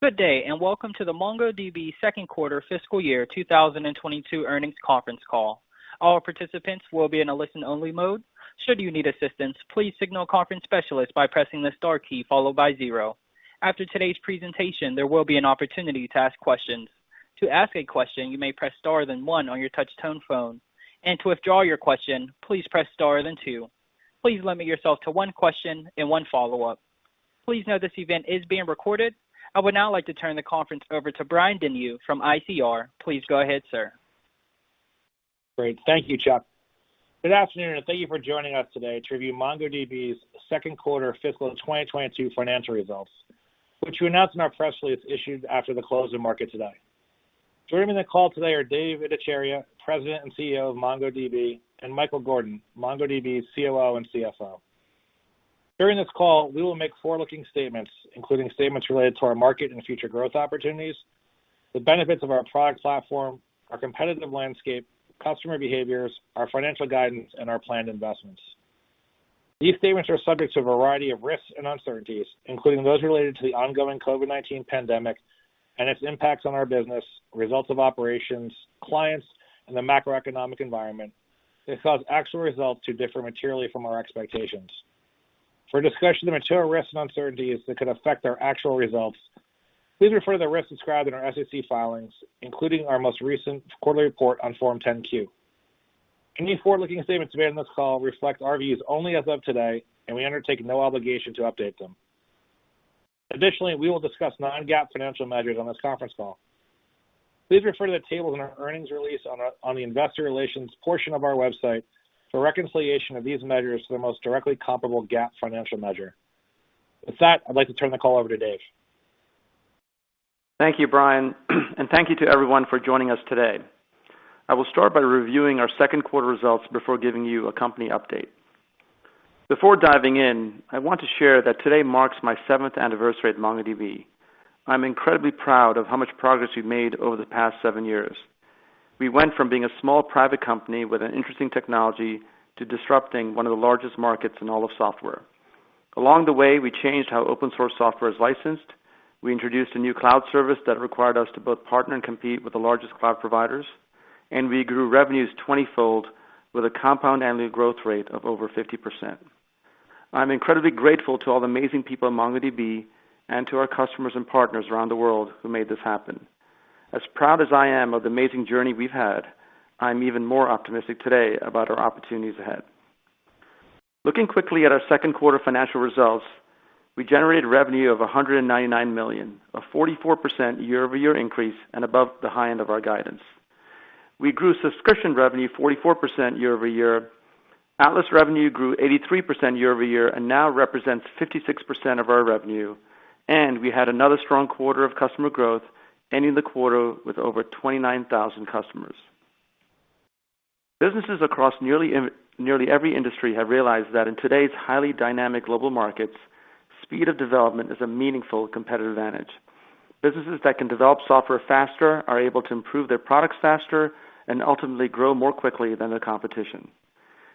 Good day, and welcome to the MongoDB Second Quarter Fiscal Year 2022 Earnings Conference Call. All participants will be in a listen-only mode. Should you need assistance, please signal a conference specialist by pressing the star key followed by 0. After today's presentation, there will be an opportunity to ask questions. To ask a question, you may press star, then one on your touch tone phone, and to withdraw your question, please press star then two. Please limit yourself to one question and one follow-up. Please note this event is being recorded. I would now like to turn the conference over to Brian Denyeau from ICR. Please go ahead, sir. Great. Thank you, Chuck. Good afternoon, and thank you for joining us today to review MongoDB's second quarter fiscal 2022 financial results, which we announced in our press release issued after the close of market today. Joining me on the call today are Dev Ittycheria, President and CEO of MongoDB, and Michael Gordon, MongoDB COO and CFO. During this call, we will make forward-looking statements, including statements related to our market and future growth opportunities, the benefits of our product platform, our competitive landscape, customer behaviors, our financial guidance, and our planned investments. These statements are subject to a variety of risks and uncertainties, including those related to the ongoing COVID-19 pandemic and its impacts on our business, results of operations, clients, and the macroeconomic environment that cause actual results to differ materially from our expectations. For a discussion of the material risks and uncertainties that could affect our actual results, please refer to the risks described in our SEC filings, including our most recent quarterly report on Form 10-Q. Any forward-looking statements made on this call reflect our views only as of today, and we undertake no obligation to update them. Additionally, we will discuss non-GAAP financial measures on this conference call. Please refer to the tables in our earnings release on the investor relations portion of our website for a reconciliation of these measures to the most directly comparable GAAP financial measure. With that, I'd like to turn the call over to Dev. Thank you, Brian, and thank you to everyone for joining us today. I will start by reviewing our second quarter results before giving you a company update. Before diving in, I want to share that today marks my seventh anniversary at MongoDB. I'm incredibly proud of how much progress we've made over the past seven years. We went from being a small private company with an interesting technology to disrupting one of the largest markets in all of software. Along the way, we changed how open source software is licensed. We introduced a new cloud service that required us to both partner and compete with the largest cloud providers, and we grew revenues 20-fold with a compound annual growth rate of over 50%. I'm incredibly grateful to all the amazing people at MongoDB and to our customers and partners around the world who made this happen. As proud as I am of the amazing journey we've had, I'm even more optimistic today about our opportunities ahead. Looking quickly at our second quarter financial results, we generated revenue of $199 million, a 44% year-over-year increase, and above the high end of our guidance. We grew subscription revenue 44% year-over-year. Atlas revenue grew 83% year-over-year and now represents 56% of our revenue. We had another strong quarter of customer growth, ending the quarter with over 29,000 customers. Businesses across nearly every industry have realized that in today's highly dynamic global markets, speed of development is a meaningful competitive advantage. Businesses that can develop software faster are able to improve their products faster and ultimately grow more quickly than their competition.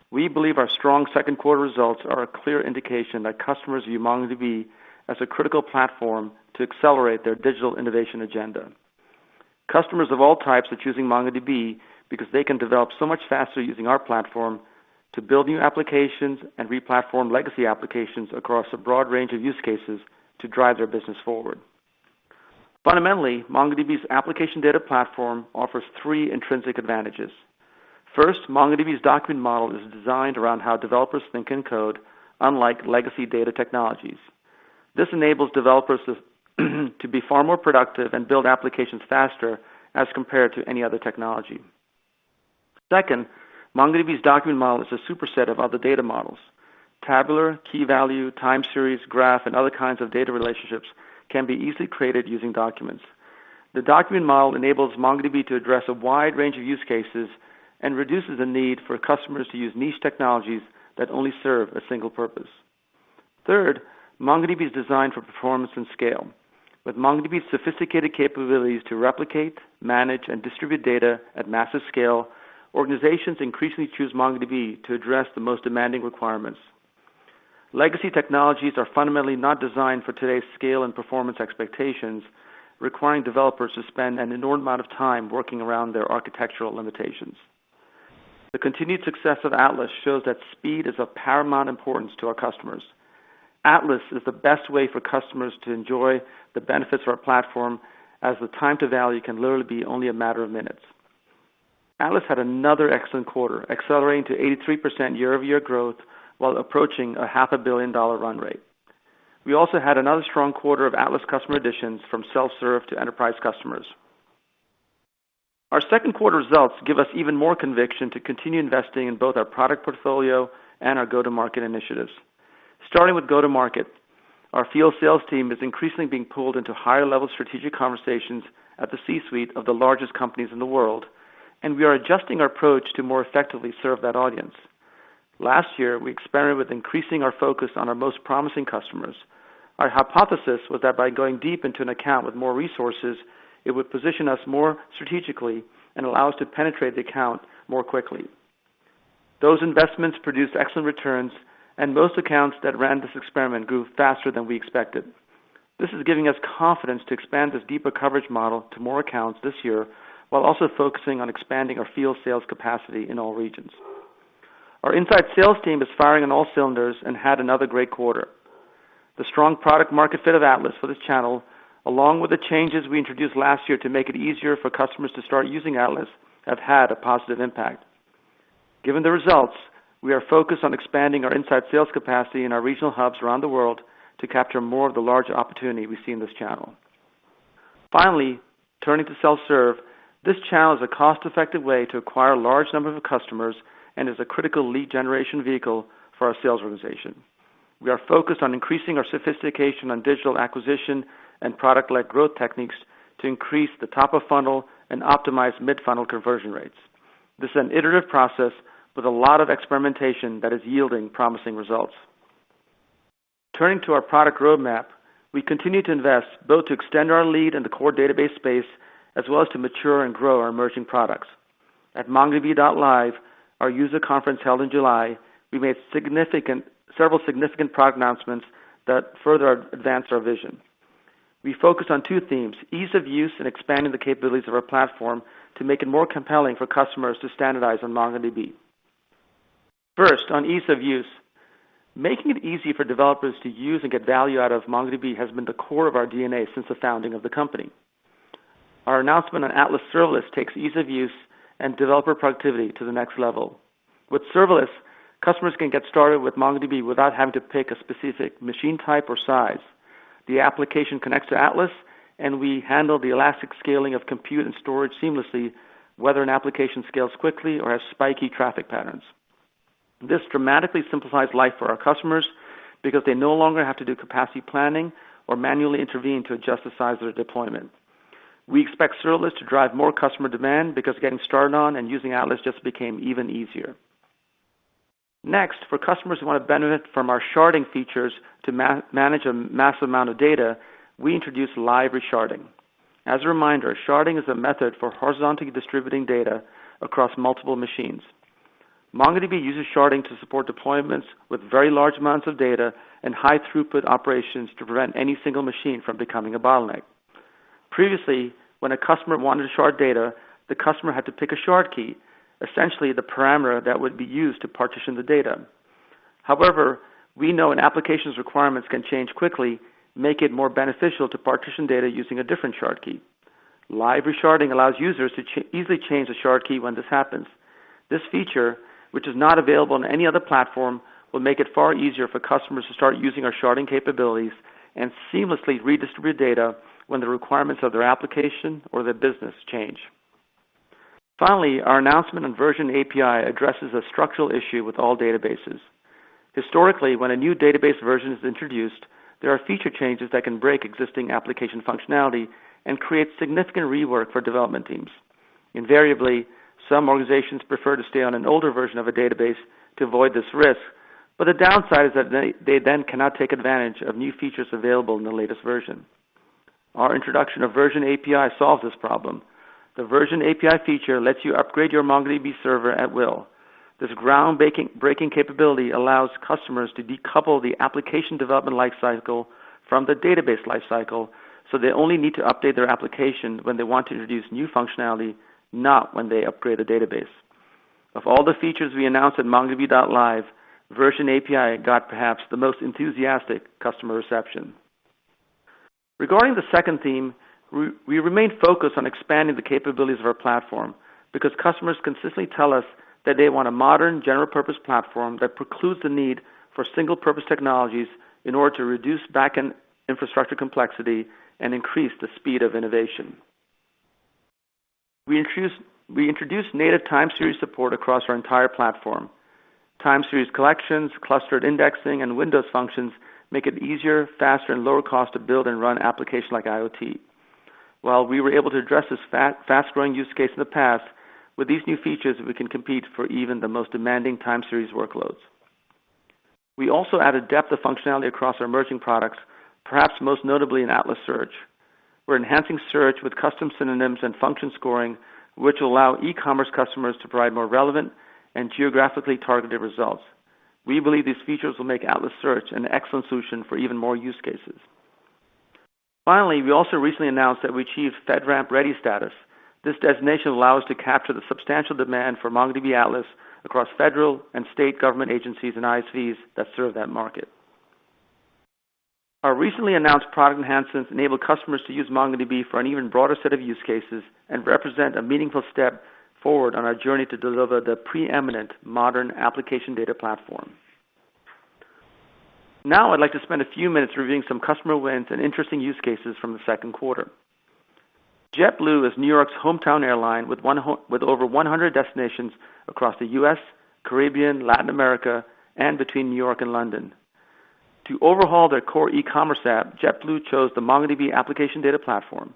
We believe our strong second quarter results are a clear indication that customers view MongoDB as a critical platform to accelerate their digital innovation agenda. Customers of all types are choosing MongoDB because they can develop so much faster using our platform to build new applications and replatform legacy applications across a broad range of use cases to drive their business forward. Fundamentally, MongoDB's MongoDB Application Data Platform offers three intrinsic advantages. First, MongoDB's document model is designed around how developers think and code, unlike legacy data technologies. This enables developers to be far more productive and build applications faster as compared to any other technology. Second, MongoDB's document model is a superset of other data models. Tabular, key value, Time Series, graph, and other kinds of data relationships can be easily created using documents. The document model enables MongoDB to address a wide range of use cases and reduces the need for customers to use niche technologies that only serve a single purpose. Third, MongoDB is designed for performance and scale. With MongoDB's sophisticated capabilities to replicate, manage, and distribute data at massive scale, organizations increasingly choose MongoDB to address the most demanding requirements. Legacy technologies are fundamentally not designed for today's scale and performance expectations, requiring developers to spend an inordinate amount of time working around their architectural limitations. The continued success of Atlas shows that speed is of paramount importance to our customers. Atlas is the best way for customers to enjoy the benefits of our platform, as the time to value can literally be only a matter of minutes. Atlas had another excellent quarter, accelerating to 83% year-over-year growth while approaching a half a billion-dollar run rate. We also had another strong quarter of Atlas customer additions from self-serve to enterprise customers. Our second quarter results give us even more conviction to continue investing in both our product portfolio and our go-to-market initiatives. Starting with go-to-market, our field sales team is increasingly being pulled into higher-level strategic conversations at the C-suite of the largest companies in the world, and we are adjusting our approach to more effectively serve that audience. Last year, we experimented with increasing our focus on our most promising customers. Our hypothesis was that by going deep into an account with more resources, it would position us more strategically and allow us to penetrate the account more quickly. Those investments produced excellent returns, and most accounts that ran this experiment grew faster than we expected. This is giving us confidence to expand this deeper coverage model to more accounts this year, while also focusing on expanding our field sales capacity in all regions. Our inside sales team is firing on all cylinders and had another great quarter. The strong product market fit of Atlas for this channel, along with the changes we introduced last year to make it easier for customers to start using Atlas, have had a positive impact. Given the results, we are focused on expanding our inside sales capacity in our regional hubs around the world to capture more of the large opportunity we see in this channel. Finally, turning to self-serve. This channel is a cost-effective way to acquire a large number of customers and is a critical lead generation vehicle for our sales organization. We are focused on increasing our sophistication on digital acquisition and product-led growth techniques to increase the top of funnel and optimize mid-funnel conversion rates. This is an iterative process with a lot of experimentation that is yielding promising results. Turning to our product roadmap, we continue to invest both to extend our lead in the core database space as well as to mature and grow our emerging products. At MongoDB.Live, our user conference held in July, we made several significant product announcements that further advance our vision. We focused on two themes, ease of use and expanding the capabilities of our platform to make it more compelling for customers to standardize on MongoDB. First, on ease of use. Making it easy for developers to use and get value out of MongoDB has been the core of our DNA since the founding of the company. Our announcement on Atlas Serverless takes ease of use and developer productivity to the next level. With Serverless, customers can get started with MongoDB without having to pick a specific machine type or size. The application connects to Atlas, and we handle the elastic scaling of compute and storage seamlessly, whether an application scales quickly or has spiky traffic patterns. This dramatically simplifies life for our customers because they no longer have to do capacity planning or manually intervene to adjust the size of their deployment. We expect Serverless to drive more customer demand because getting started on and using Atlas just became even easier. Next, for customers who want to benefit from our sharding features to manage a massive amount of data, we introduced live resharding. As a reminder, sharding is a method for horizontally distributing data across multiple machines. MongoDB uses sharding to support deployments with very large amounts of data and high throughput operations to prevent any single machine from becoming a bottleneck. Previously, when a customer wanted to shard data, the customer had to pick a shard key, essentially the parameter that would be used to partition the data. However, we know an application's requirements can change quickly, make it more beneficial to partition data using a different shard key. Live resharding allows users to easily change the shard key when this happens. This feature, which is not available on any other platform, will make it far easier for customers to start using our sharding capabilities and seamlessly redistribute data when the requirements of their application or their business change. Finally, our announcement on Stable API addresses a structural issue with all databases. Historically, when a new database version is introduced, there are feature changes that can break existing application functionality and create significant rework for development teams. Invariably, some organizations prefer to stay on an older version of a database to avoid this risk, but the downside is that they then cannot take advantage of new features available in the latest version. Our introduction of Stable API solves this problem. The Stable API feature lets you upgrade your MongoDB server at will. This groundbreaking capability allows customers to decouple the application development life cycle from the database life cycle, so they only need to update their application when they want to introduce new functionality, not when they upgrade the database. Of all the features we announced at MongoDB.Live, Stable API got perhaps the most enthusiastic customer reception. Regarding the second theme, we remain focused on expanding the capabilities of our platform because customers consistently tell us that they want a modern, general-purpose platform that precludes the need for single-purpose technologies in order to reduce backend infrastructure complexity and increase the speed of innovation. We introduced native Time Series support across our entire platform. Time Series collections, clustered indexing, and windows functions make it easier, faster, and lower cost to build and run applications like IoT. While we were able to address this fast-growing use case in the past, with these new features, we can compete for even the most demanding Time Series workloads. We also added depth of functionality across our emerging products, perhaps most notably in Atlas Search. We're enhancing search with custom synonyms and function scoring, which allow e-commerce customers to provide more relevant and geographically targeted results. We believe these features will make Atlas Search an excellent solution for even more use cases. We also recently announced that we achieved FedRAMP Ready status. This designation allows us to capture the substantial demand for MongoDB Atlas across federal and state government agencies and ISVs that serve that market. Our recently announced product enhancements enable customers to use MongoDB for an even broader set of use cases and represent a meaningful step forward on our journey to deliver the preeminent modern Application Data Platform. I'd like to spend a few minutes reviewing some customer wins and interesting use cases from the second quarter. JetBlue is New York's hometown airline with over 100 destinations across the U.S., Caribbean, Latin America, and between New York and London. To overhaul their core e-commerce app, JetBlue chose the MongoDB Application Data Platform.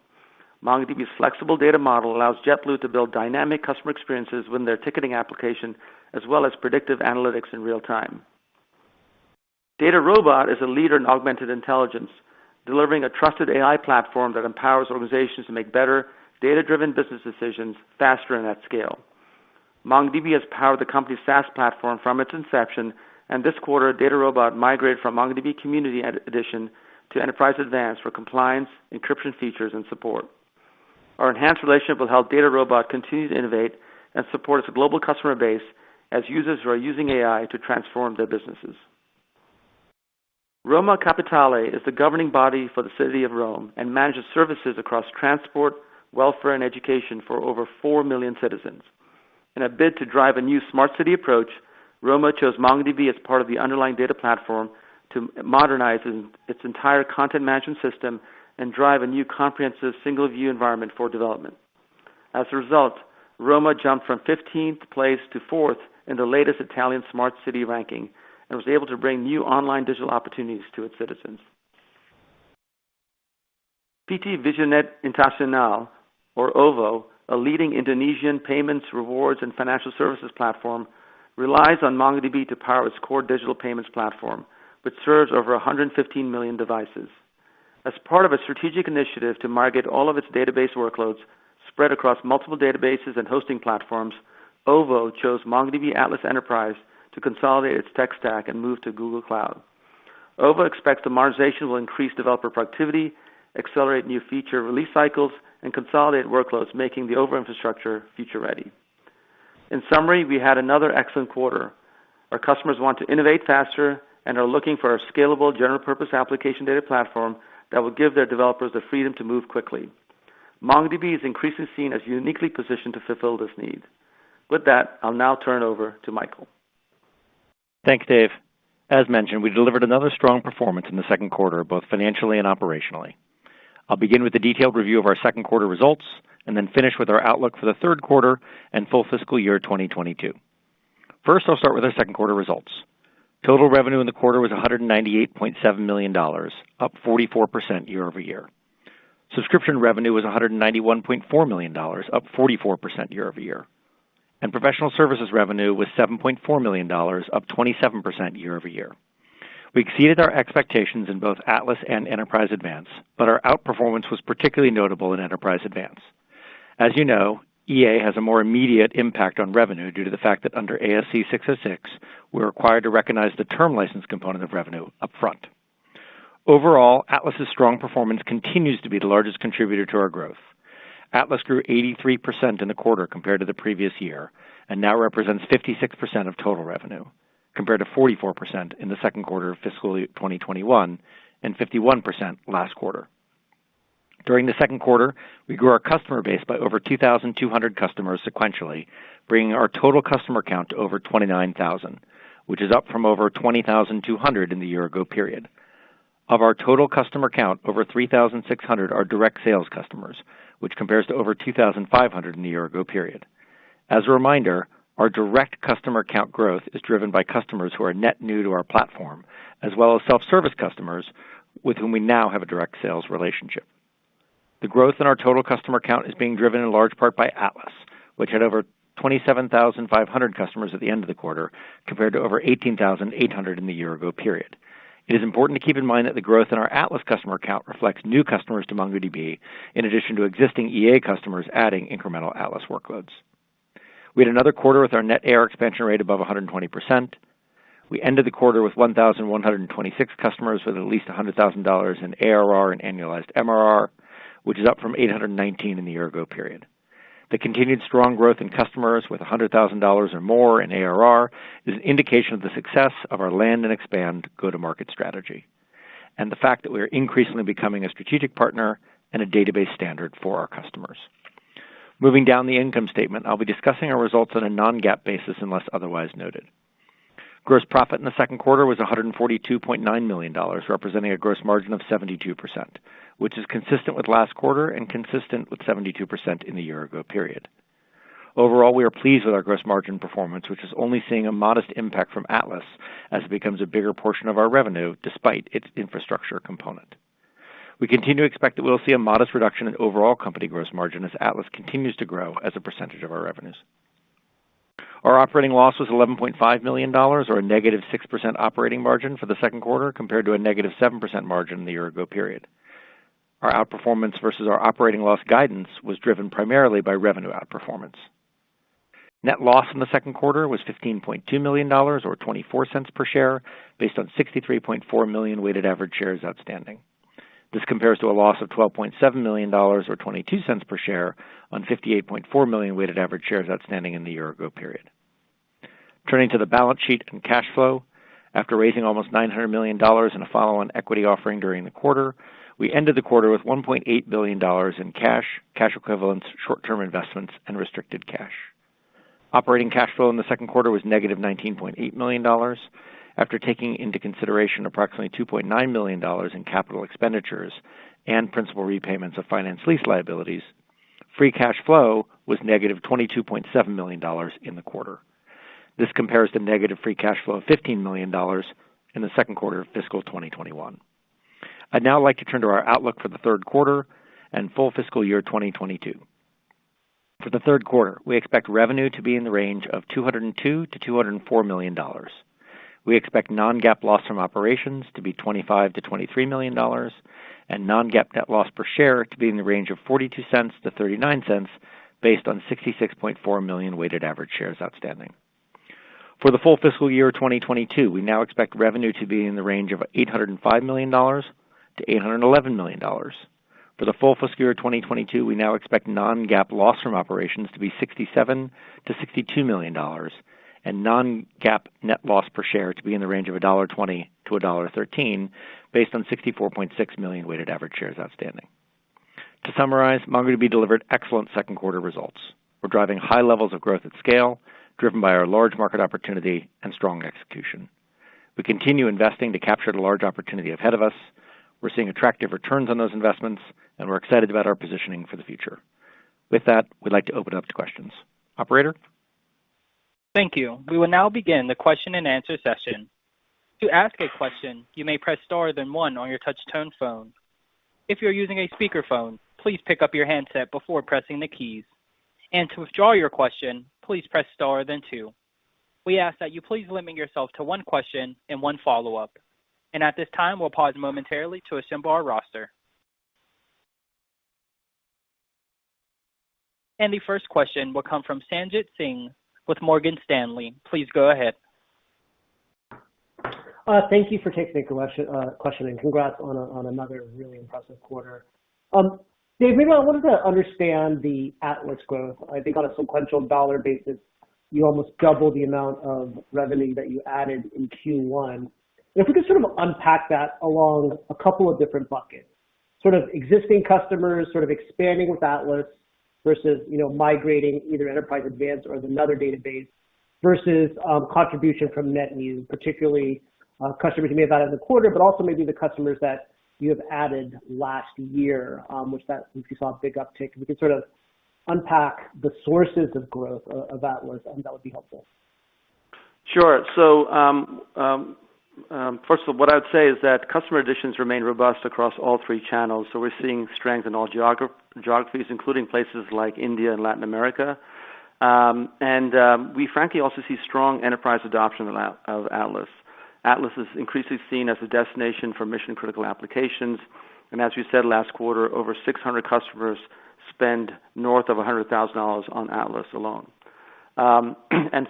MongoDB's flexible data model allows JetBlue to build dynamic customer experiences within their ticketing application, as well as predictive analytics in real time. DataRobot is a leader in augmented intelligence, delivering a trusted AI platform that empowers organizations to make better data-driven business decisions faster and at scale. MongoDB has powered the company's SaaS platform from its inception, and this quarter, DataRobot migrated from MongoDB Community Edition to Enterprise Advanced for compliance, encryption features, and support. Our enhanced relationship will help DataRobot continue to innovate and support its global customer base as users are using AI to transform their businesses. Roma Capitale is the governing body for the city of Rome and manages services across transport, welfare, and education for over 4 million citizens. In a bid to drive a new smart city approach, Roma Capitale chose MongoDB as part of the underlying data platform to modernize its entire content management system and drive a new comprehensive single-view environment for development. As a result, Roma Capitale jumped from 15th place to fourth in the latest Italian Smart City ranking and was able to bring new online digital opportunities to its citizens. PT Visionet Internasional, or OVO, a leading Indonesian payments, rewards, and financial services platform, relies on MongoDB to power its core digital payments platform, which serves over 115 million devices. As part of a strategic initiative to migrate all of its database workloads spread across multiple databases and hosting platforms, OVO chose MongoDB Atlas Enterprise to consolidate its tech stack and move to Google Cloud. OVO expects the modernization will increase developer productivity, accelerate new feature release cycles, and consolidate workloads, making the OVO infrastructure future-ready. In summary, we had another excellent quarter. Our customers want to innovate faster and are looking for a scalable general-purpose application data platform that will give their developers the freedom to move quickly. MongoDB is increasingly seen as uniquely positioned to fulfill this need. With that, I'll now turn it over to Michael. Thank you, Dev. As mentioned, we delivered another strong performance in the second quarter, both financially and operationally. I'll begin with a detailed review of our second quarter results and then finish with our outlook for the third quarter and full fiscal year 2022. First, I'll start with our second quarter results. Total revenue in the quarter was $198.7 million, up 44% year-over-year. Subscription revenue was $191.4 million, up 44% year-over-year, and professional services revenue was $7.4 million, up 27% year-over-year. We exceeded our expectations in both Atlas and Enterprise Advanced, but our outperformance was particularly notable in Enterprise Advanced. As you know, EA has a more immediate impact on revenue due to the fact that under ASC 606, we're required to recognize the term license component of revenue upfront. Overall, Atlas' strong performance continues to be the largest contributor to our growth. Atlas grew 83% in the quarter compared to the previous year and now represents 56% of total revenue, compared to 44% in the second quarter of fiscal 2021 and 51% last quarter. During the second quarter, we grew our customer base by over 2,200 customers sequentially, bringing our total customer count to over 29,000, which is up from over 20,200 in the year ago period. Of our total customer count, over 3,600 are direct sales customers, which compares to over 2,500 in the year ago period. As a reminder, our direct customer count growth is driven by customers who are net new to our platform, as well as self-service customers with whom we now have a direct sales relationship. The growth in our total customer count is being driven in large part by Atlas, which had over 27,500 customers at the end of the quarter, compared to over 18,800 in the year ago period. It is important to keep in mind that the growth in our Atlas customer count reflects new customers to MongoDB, in addition to existing EA customers adding incremental Atlas workloads. We had another quarter with our net ARR expansion rate above 120%. We ended the quarter with 1,126 customers with at least $100,000 in ARR and annualized MRR, which is up from 819 in the year ago period. The continued strong growth in customers with $100,000 or more in ARR is an indication of the success of our land and expand go-to-market strategy, and the fact that we are increasingly becoming a strategic partner and a database standard for our customers. Moving down the income statement, I'll be discussing our results on a non-GAAP basis unless otherwise noted. Gross profit in the second quarter was $142.9 million, representing a gross margin of 72%, which is consistent with last quarter and consistent with 72% in the year ago period. Overall, we are pleased with our gross margin performance, which is only seeing a modest impact from Atlas as it becomes a bigger portion of our revenue despite its infrastructure component. We continue to expect that we'll see a modest reduction in overall company gross margin as Atlas continues to grow as a percentage of our revenues. Our operating loss was $11.5 million, or a -6% operating margin for the second quarter, compared to a -7% margin in the year ago period. Our outperformance versus our operating loss guidance was driven primarily by revenue outperformance. Net loss in the second quarter was $15.2 million or $0.24 per share, based on 63.4 million weighted average shares outstanding. This compares to a loss of $12.7 million or $0.22 per share on 58.4 million weighted average shares outstanding in the year-ago period. Turning to the balance sheet and cash flow, after raising almost $900 million in a follow-on equity offering during the quarter, we ended the quarter with $1.8 billion in cash equivalents, short-term investments, and restricted cash. Operating cash flow in the second quarter was -$19.8 million. After taking into consideration approximately $2.9 million in capital expenditures and principal repayments of finance lease liabilities, free cash flow was -$22.7 million in the quarter. This compares to negative free cash flow of $15 million in the second quarter of fiscal 2021. I'd now like to turn to our outlook for the third quarter and full fiscal year 2022. For the third quarter, we expect revenue to be in the range of $202 million-$204 million. We expect non-GAAP loss from operations to be $25 million-$23 million, and non-GAAP net loss per share to be in the range of $0.42-$0.39 based on 66.4 million weighted average shares outstanding. For the full fiscal year 2022, we now expect revenue to be in the range of $805 million-$811 million. For the full fiscal year 2022, we now expect non-GAAP loss from operations to be $67 million-$62 million, and non-GAAP net loss per share to be in the range of $1.20-$1.13 based on 64.6 million weighted average shares outstanding. To summarize, MongoDB delivered excellent second quarter results. We're driving high levels of growth at scale, driven by our large market opportunity and strong execution. We continue investing to capture the large opportunity ahead of us. We're seeing attractive returns on those investments. We're excited about our positioning for the future. With that, we'd like to open up to questions. Operator? Thank you. We will now begin the question and answer session. To ask a question, you may press star then one on your touch tone phone. If you're using a speakerphone, please pick up your handset before pressing the keys. To withdraw your question, please press star then two. We ask that you please limit yourself to one question and one follow-up. At this time, we'll pause momentarily to assemble our roster. The first question will come from Sanjit Singh with Morgan Stanley. Please go ahead. Thank you for taking the question. Congrats on another really impressive quarter. Dev, maybe I wanted to understand the Atlas growth. I think on a sequential dollar basis, you almost doubled the amount of revenue that you added in Q1. If we could sort of unpack that along a couple of different buckets, sort of existing customers expanding with Atlas versus migrating either Enterprise Advanced or another database versus contribution from net new, particularly customers you may have added in the quarter, but also maybe the customers that you have added last year, which that we saw a big uptick. If we could sort of unpack the sources of growth of Atlas, that would be helpful. Sure. First of all, what I would say is that customer additions remain robust across all three channels. We're seeing strength in all geographies, including places like India and Latin America. We frankly also see strong enterprise adoption of Atlas. Atlas is increasingly seen as a destination for mission-critical applications. As we said last quarter, over 600 customers spend north of $100,000 on Atlas alone.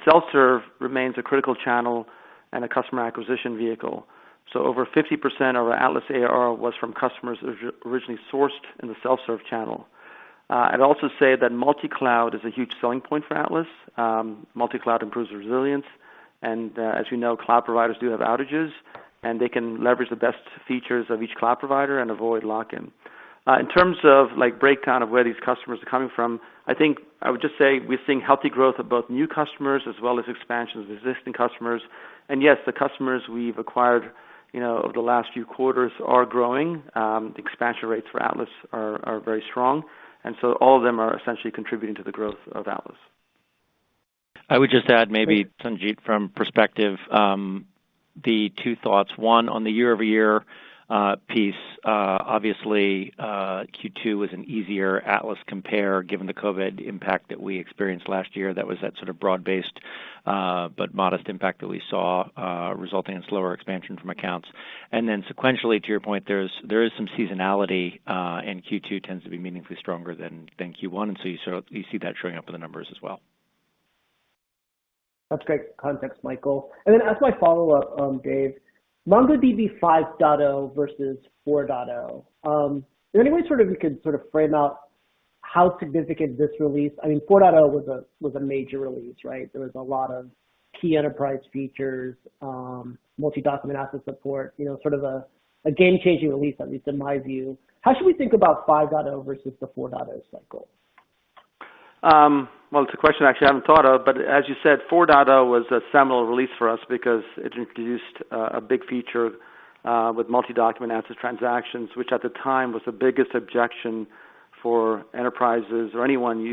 Self-serve remains a critical channel and a customer acquisition vehicle. Over 50% of our Atlas ARR was from customers originally sourced in the self-serve channel. I'd also say that multi-cloud is a huge selling point for Atlas. Multi-cloud improves resilience. As you know, cloud providers do have outages, and they can leverage the best features of each cloud provider and avoid lock-in. In terms of breakdown of where these customers are coming from, I think I would just say we're seeing healthy growth of both new customers as well as expansion of existing customers. Yes, the customers we've acquired over the last few quarters are growing. Expansion rates for Atlas are very strong. All of them are essentially contributing to the growth of Atlas. I would just add maybe, Sanjit, from perspective, the two thoughts. One, on the year-over-year piece, obviously, Q2 was an easier Atlas compare, given the COVID impact that we experienced last year. That was that sort of broad-based but modest impact that we saw, resulting in slower expansion from accounts. Sequentially, to your point, there is some seasonality, and Q2 tends to be meaningfully stronger than Q1. You see that showing up in the numbers as well. That's great context, Michael. As my follow-up, Dev, MongoDB 5.0 versus 4.0. Is there any way you could frame out how significant this release? I mean, 4.0 was a major release, right? There was a lot of key enterprise features, multi-document ACID support, sort of a game-changing release, at least in my view. How should we think about 5.0 versus the 4.0 cycle? Well, it's a question I actually haven't thought of. As you said, 4.0 was a seminal release for us because it introduced a big feature with multi-document ACID transactions, which at the time was the biggest objection for enterprises or anyone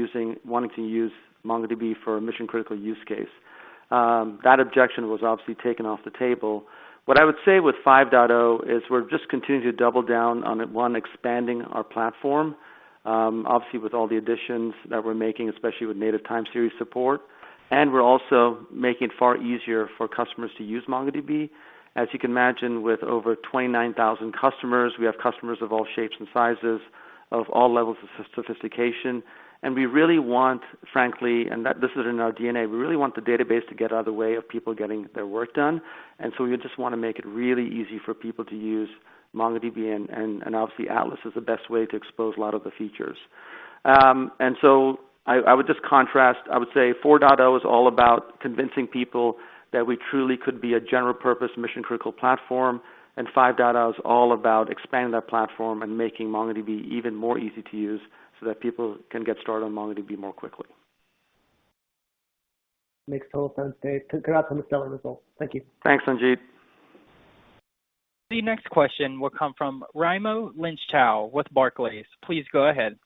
wanting to use MongoDB for a mission-critical use case. That objection was obviously taken off the table. What I would say with 5.0 is we're just continuing to double down on, one, expanding our platform, obviously with all the additions that we're making, especially with native Time Series support. We're also making it far easier for customers to use MongoDB. As you can imagine, with over 29,000 customers, we have customers of all shapes and sizes, of all levels of sophistication. We really want, frankly, and this is in our DNA, we really want the database to get out of the way of people getting their work done. We just want to make it really easy for people to use MongoDB, and obviously Atlas is the best way to expose a lot of the features. I would just contrast, I would say 4.0 is all about convincing people that we truly could be a general purpose mission-critical platform, and 5.0 is all about expanding that platform and making MongoDB even more easy to use so that people can get started on MongoDB more quickly. Makes total sense, Dev. Congrats on the stellar results. Thank you. Thanks, Sanjit. The next question will come from Raimo Lenschow with Barclays. Please go ahead.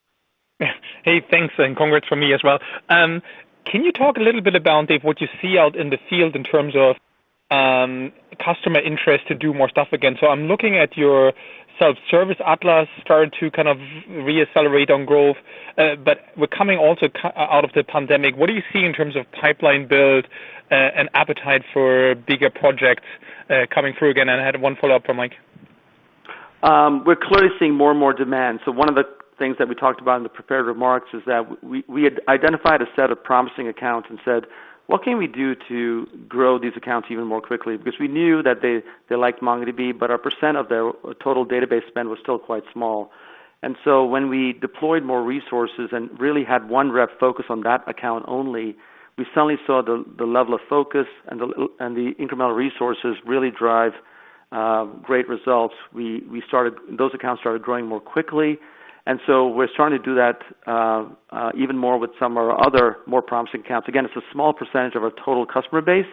Hey, thanks, and congrats from me as well. Can you talk a little bit about, Dev, what you see out in the field in terms of customer interest to do more stuff again? I'm looking at your self-service Atlas starting to re-accelerate on growth, but we're coming also out of the pandemic. What do you see in terms of pipeline build and appetite for bigger projects coming through again? I had one follow-up for Michael. We're clearly seeing more and more demand. One of the things that we talked about in the prepared remarks is that we had identified a set of promising accounts and said, "What can we do to grow these accounts even more quickly?" We knew that they liked MongoDB, but our percent of their total database spend was still quite small. When we deployed more resources and really had one rep focus on that account only, we suddenly saw the level of focus and the incremental resources really drive great results. Those accounts started growing more quickly. We're starting to do that even more with some of our other more promising accounts. Again, it's a small percent of our total customer base,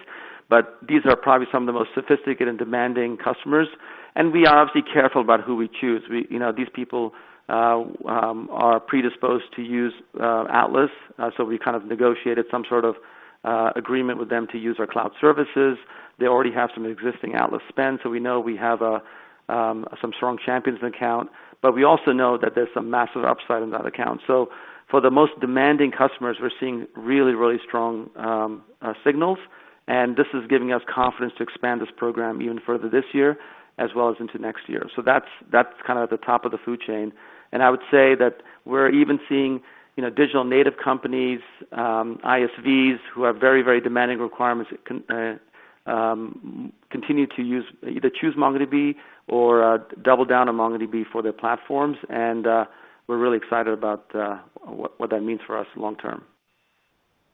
but these are probably some of the most sophisticated and demanding customers, and we are obviously careful about who we choose. These people are predisposed to use Atlas, so we negotiated some sort of agreement with them to use our cloud services. They already have some existing Atlas spend, so we know we have some strong champions in account, but we also know that there's some massive upside in that account. For the most demanding customers, we're seeing really, really strong signals, and this is giving us confidence to expand this program even further this year as well as into next year. I would say that we're even seeing digital native companies, ISVs, who have very demanding requirements, either choose MongoDB or double down on MongoDB for their platforms. We're really excited about what that means for us long term.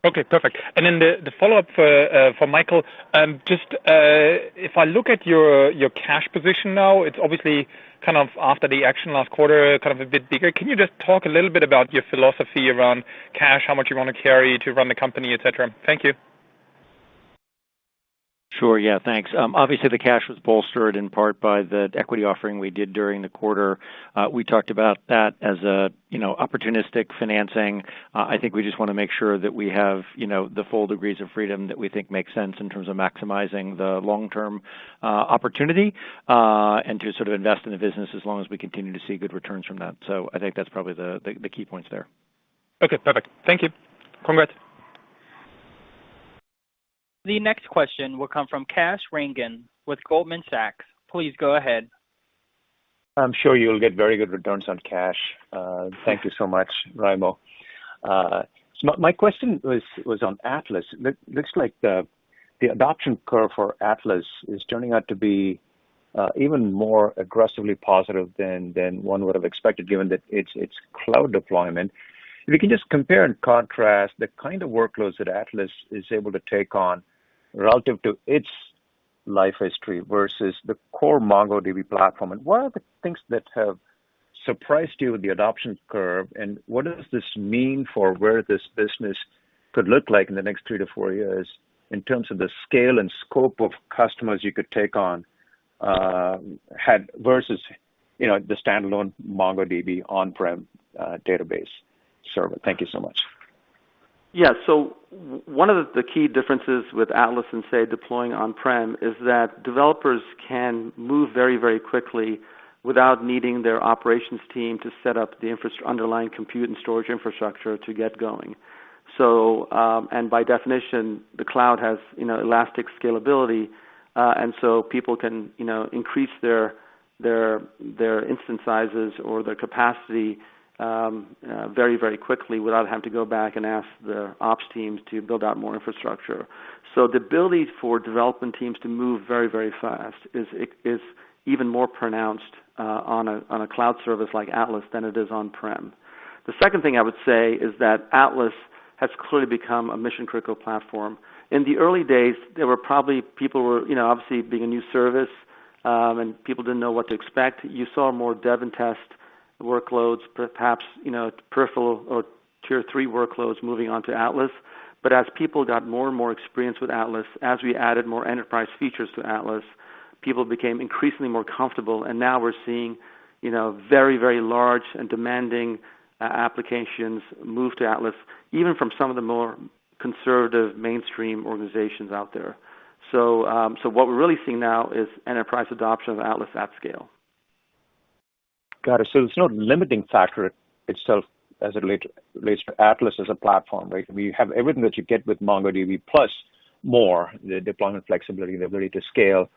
Okay, perfect. Then the follow-up for Michael. If I look at your cash position now, it's obviously after the action last quarter, a bit bigger. Can you just talk a little bit about your philosophy around cash, how much you want to carry to run the company, et cetera? Thank you. Sure, yeah. Thanks. Obviously, the cash was bolstered in part by the equity offering we did during the quarter. We talked about that as opportunistic financing. I think we just want to make sure that we have the full degrees of freedom that we think makes sense in terms of maximizing the long-term opportunity, and to sort of invest in the business as long as we continue to see good returns from that. I think that's probably the key points there. Okay, perfect. Thank you. Congrats. The next question will come from Kash Rangan with Goldman Sachs. Please go ahead. I'm sure you'll get very good returns on cash. Thank you so much, Raimo. My question was on Atlas. Looks like the adoption curve for Atlas is turning out to be even more aggressively positive than one would've expected, given that it's cloud deployment. If you can just compare and contrast the kind of workloads that Atlas is able to take on relative to its life history versus the core MongoDB platform, and what are the things that have surprised you with the adoption curve, and what does this mean for where this business could look like in the next three to four years in terms of the scale and scope of customers you could take on versus the standalone MongoDB on-prem database server? Thank you so much. Yeah. One of the key differences with Atlas and, say, deploying on-prem is that developers can move very quickly without needing their operations team to set up the underlying compute and storage infrastructure to get going. By definition, the cloud has elastic scalability, and so people can increase their instance sizes or their capacity very quickly without having to go back and ask the ops teams to build out more infrastructure. The ability for development teams to move very fast is even more pronounced on a cloud service like Atlas than it is on-prem. The second thing I would say is that Atlas has clearly become a mission-critical platform. In the early days, obviously, being a new service, and people didn't know what to expect, you saw more dev and test workloads, perhaps peripheral or Tier 3 workloads moving onto Atlas. As people got more and more experienced with Atlas, as we added more enterprise features to Atlas, people became increasingly more comfortable, and now we're seeing very large and demanding applications move to Atlas, even from some of the more conservative mainstream organizations out there. What we're really seeing now is enterprise adoption of Atlas at scale. Got it. There's no limiting factor itself as it relates to Atlas as a platform, right? We have everything that you get with MongoDB plus more, the deployment flexibility, the ability to scale,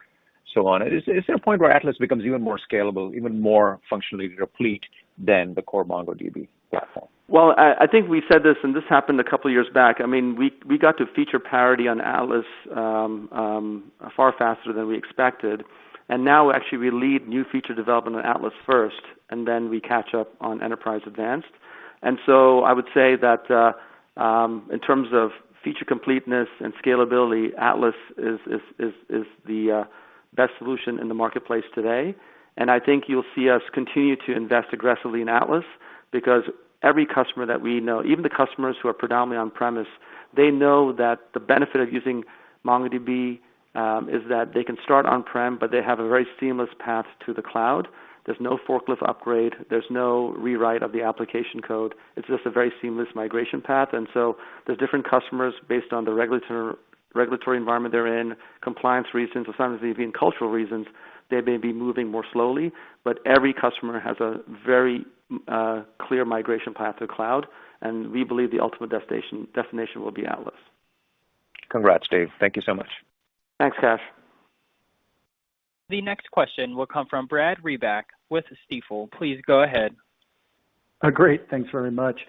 so on. Is there a point where Atlas becomes even more scalable, even more functionally replete than the core MongoDB platform? Well, I think we said this happened couple years back. We got to feature parity on Atlas far faster than we expected, now, actually, we lead new feature development on Atlas first, then we catch up on Enterprise Advanced. I would say that in terms of feature completeness and scalability, Atlas is the best solution in the marketplace today. I think you'll see us continue to invest aggressively in Atlas because every customer that we know, even the customers who are predominantly on-premise, they know that the benefit of using MongoDB is that they can start on-prem, but they have a very seamless path to the cloud. There's no forklift upgrade, there's no rewrite of the application code. It's just a very seamless migration path. There's different customers based on the regulatory environment they're in, compliance reasons, or sometimes even cultural reasons. They may be moving more slowly, but every customer has a very clear migration path to the cloud, and we believe the ultimate destination will be Atlas. Congrats, Dev. Thank you so much. Thanks, Kash. The next question will come from Brad Reback with Stifel. Please go ahead. Great. Thanks very much.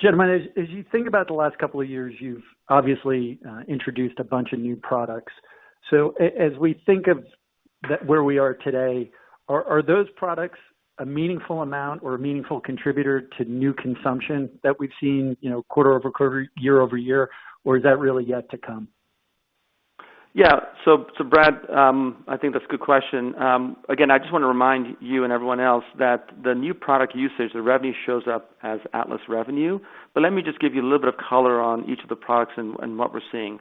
Gentlemen, as you think about the last couple years, you've obviously introduced a bunch of new products. As we think of where we are today, are those products a meaningful amount or a meaningful contributor to new consumption that we've seen quarter-over-quarter, year-over-year, or is that really yet to come? Yeah. Brad, I think that's a good question. Again, I just want to remind you and everyone else that the new product usage, the revenue shows up as Atlas revenue. Let me just give you a little bit of color on each of the products and what we're seeing.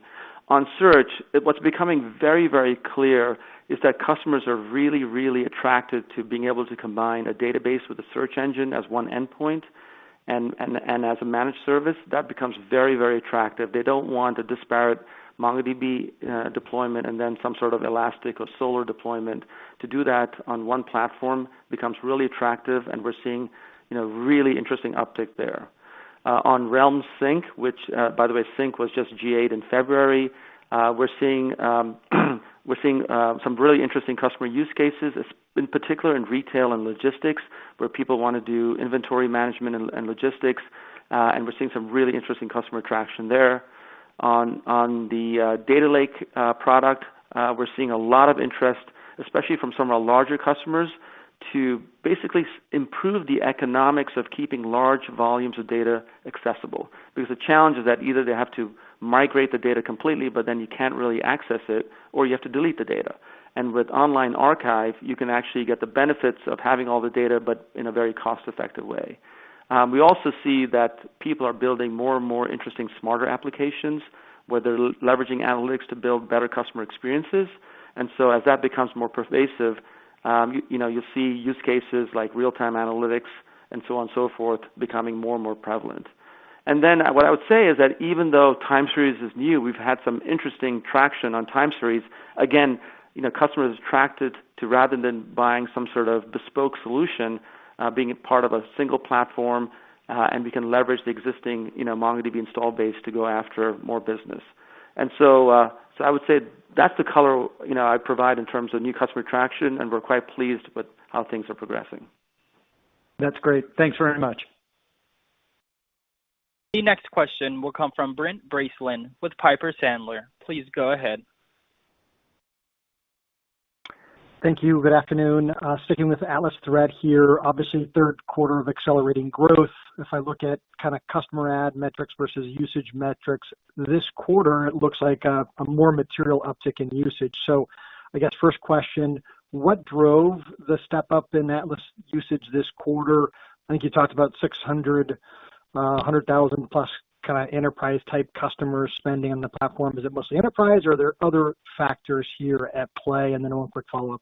On Search, what's becoming very clear is that customers are really attracted to being able to combine a database with a search engine as one endpoint and as a managed service. That becomes very attractive. They don't want a disparate MongoDB deployment and then some sort of Elastic or Solr deployment. To do that on one platform becomes really attractive, and we're seeing really interesting uptick there. On Realm Sync, which by the way, Sync was just GA'd in February, we're seeing some really interesting customer use cases, in particular in retail and logistics, where people want to do inventory management and logistics, and we're seeing some really interesting customer traction there. On the Data Lake product, we're seeing a lot of interest, especially from some of our larger customers, to basically improve the economics of keeping large volumes of data accessible. The challenge is that either they have to migrate the data completely, but then you can't really access it, or you have to delete the data. With Online Archive, you can actually get the benefits of having all the data, but in a very cost-effective way. We also see that people are building more and more interesting, smarter applications where they're leveraging analytics to build better customer experiences. As that becomes more pervasive, you'll see use cases like real-time analytics and so on and so forth, becoming more and more prevalent. What I would say is that even though Time Series is new, we've had some interesting traction on Time Series. Again, customers attracted to, rather than buying some sort of bespoke solution, being a part of a single platform, and we can leverage the existing MongoDB install base to go after more business. I would say that's the color I provide in terms of new customer traction, and we're quite pleased with how things are progressing. That's great. Thanks very much. The next question will come from Brent Bracelin with Piper Sandler. Please go ahead. Thank you. Good afternoon. Sticking with Atlas thread here, obviously third quarter of accelerating growth. If I look at customer add metrics versus usage metrics this quarter, it looks like a more material uptick in usage. I guess first question, what drove the step-up in Atlas usage this quarter? I think you talked about 600, 100,000+ enterprise-type customers spending on the platform. Is it mostly enterprise or are there other factors here at play? Then one quick follow-up.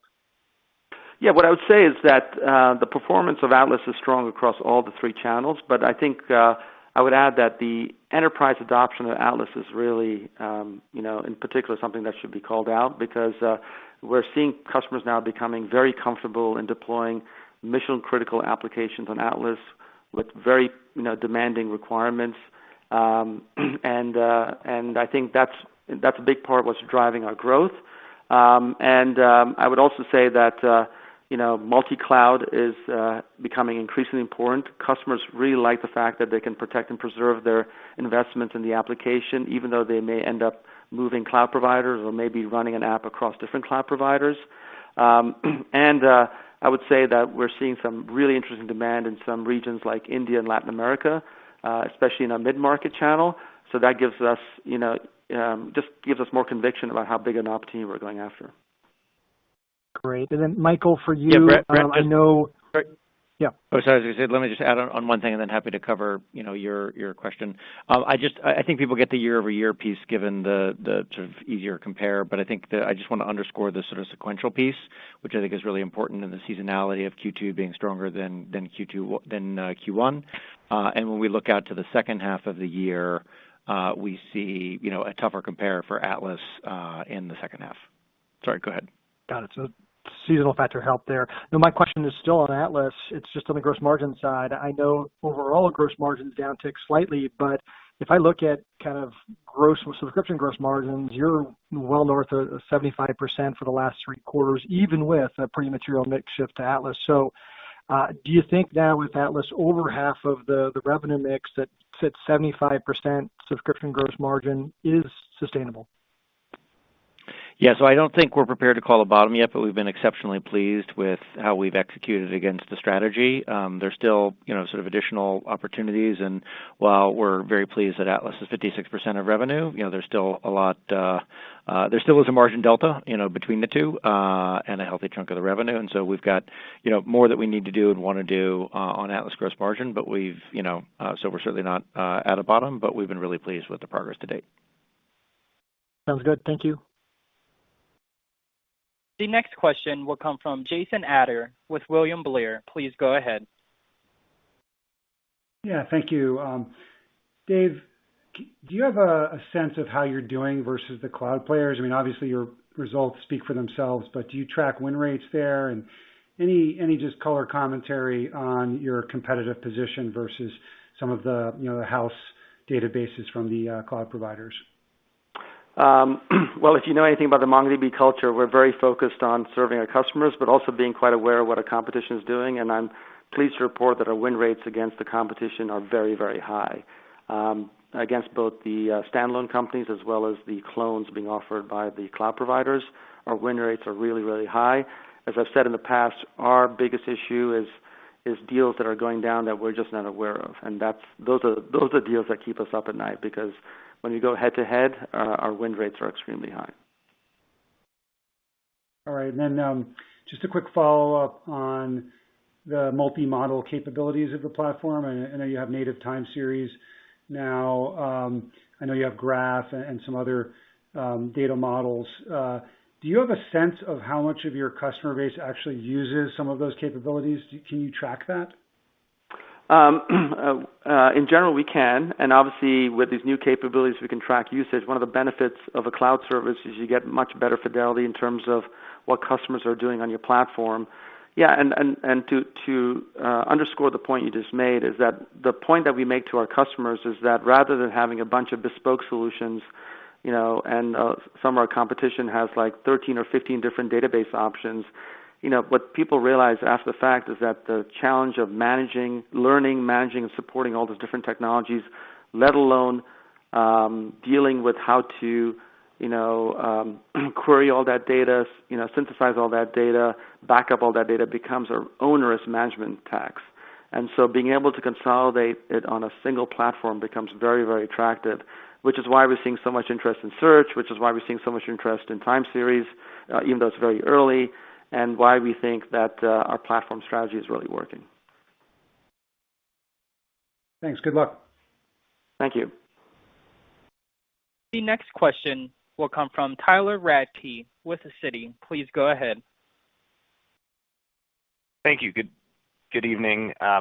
Yeah. What I would say is that the performance of Atlas is strong across all the three channels, but I think I would add that the enterprise adoption of Atlas is really, in particular, something that should be called out because we're seeing customers now becoming very comfortable in deploying mission-critical applications on Atlas with very demanding requirements. I think that's a big part of what's driving our growth. I would also say that multi-cloud is becoming increasingly important. Customers really like the fact that they can protect and preserve their investments in the application, even though they may end up moving cloud providers or may be running an app across different cloud providers. I would say that we're seeing some really interesting demand in some regions like India and Latin America, especially in our mid-market channel. That just gives us more conviction about how big an opportunity we're going after. Great. Then Michael, for you- Yeah, Brent. I know-- Yeah. Oh, sorry. I was going to say, let me just add on one thing and then happy to cover your question. I think people get the year-over-year piece, given the easier compare. I think that I just want to underscore the sort of sequential piece, which I think is really important in the seasonality of Q2 being stronger than Q1. When we look out to the second half of the year, we see a tougher compare for Atlas in the second half. Sorry, go ahead. Got it. Seasonal factor helped there. My question is still on Atlas. It is just on the gross margin side. I know overall gross margins downticked slightly, but if I look at subscription gross margins, you are well north of 75% for the last three quarters, even with a pretty material mix shift to Atlas. Do you think now with Atlas over half of the revenue mix that fits 75% subscription gross margin is sustainable? Yeah. I don't think we're prepared to call a bottom yet, but we've been exceptionally pleased with how we've executed against the strategy. There's still additional opportunities, and while we're very pleased that Atlas is 56% of revenue, there still is a margin delta between the two and a healthy chunk of the revenue. We've got more that we need to do and want to do on Atlas gross margin, we're certainly not at a bottom, but we've been really pleased with the progress to date. Sounds good. Thank you. The next question will come from Jason Ader with William Blair. Please go ahead. Yeah, thank you. Dev, do you have a sense of how you're doing versus the cloud players? Obviously, your results speak for themselves. Do you track win rates there? Any just color commentary on your competitive position versus some of the house databases from the cloud providers? Well, if you know anything about the MongoDB culture, we're very focused on serving our customers, but also being quite aware of what a competition is doing. I'm pleased to report that our win rates against the competition are very, very high. Against both the standalone companies as well as the clones being offered by the cloud providers, our win rates are really, really high. As I've said in the past, our biggest issue is deals that are going down that we're just not aware of. Those are deals that keep us up at night, because when we go head-to-head, our win rates are extremely high. All right. Just a quick follow-up on the multi-model capabilities of the platform. I know you have native Time Series now. I know you have graph and some other data models. Do you have a sense of how much of your customer base actually uses some of those capabilities? Can you track that? In general, we can, and obviously with these new capabilities, we can track usage. One of the benefits of a cloud service is you get much better fidelity in terms of what customers are doing on your platform. Yeah, and to underscore the point you just made, is that the point that we make to our customers is that rather than having a bunch of bespoke solutions, and some of our competition has 13 or 15 different database options. What people realize after the fact is that the challenge of learning, managing, and supporting all those different technologies, let alone dealing with how to query all that data, synthesize all that data, back up all that data, becomes an onerous management task. Being able to consolidate it on a single platform becomes very, very attractive, which is why we're seeing so much interest in search, which is why we're seeing so much interest in Time Series, even though it's very early, and why we think that our platform strategy is really working. Thanks. Good luck. Thank you. The next question will come from Tyler Radke with the Citi. Please go ahead. Thank you. Good evening. I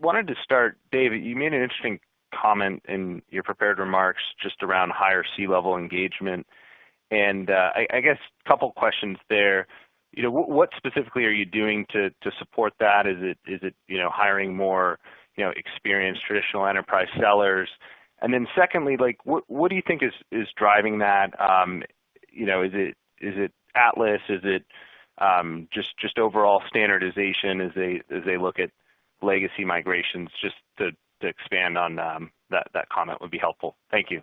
wanted to start, Dev, you made an interesting comment in your prepared remarks just around higher C-level engagement, and I guess a couple questions there. What specifically are you doing to support that? Is it hiring more experienced traditional enterprise sellers? Secondly, what do you think is driving that? Is it Atlas? Is it just overall standardization as they look at legacy migrations? Just to expand on that comment would be helpful. Thank you.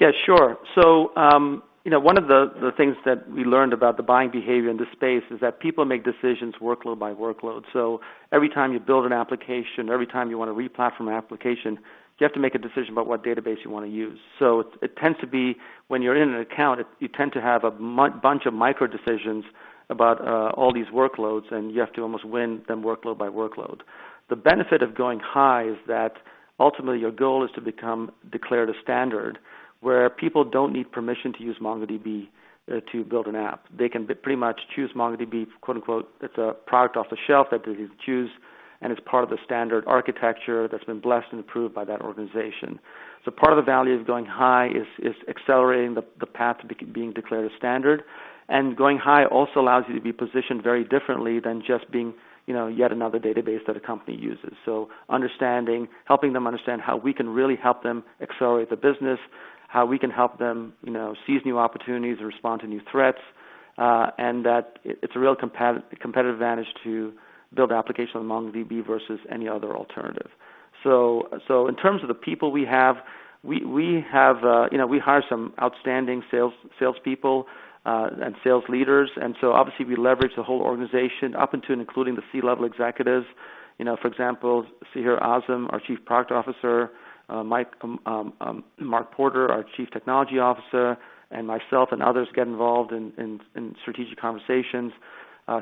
Yeah, sure. One of the things that we learned about the buying behavior in this space is that people make decisions workload by workload. Every time you build an application, every time you want to re-platform an application, you have to make a decision about what database you want to use. It tends to be when you're in an account, you tend to have a bunch of micro decisions about all these workloads, and you have to almost win them workload by workload. The benefit of going high is that ultimately your goal is to become declared a standard where people don't need permission to use MongoDB to build an app. They can pretty much choose MongoDB, quote-unquote, "It's a product off the shelf that they can choose, and it's part of the standard architecture that's been blessed and approved by that organization." Part of the value of going high is accelerating the path to being declared a standard. Going high also allows you to be positioned very differently than just being yet another database that a company uses. Helping them understand how we can really help them accelerate the business, how we can help them seize new opportunities or respond to new threats, and that it's a real competitive advantage to build an application on MongoDB versus any other alternative. In terms of the people we have, we hire some outstanding salespeople, and sales leaders, and obviously we leverage the whole organization up until including the C-level Executives. For example, Sahir Azam, our Chief Product Officer, Mark Porter, our Chief Technology Officer, and myself and others get involved in strategic conversations.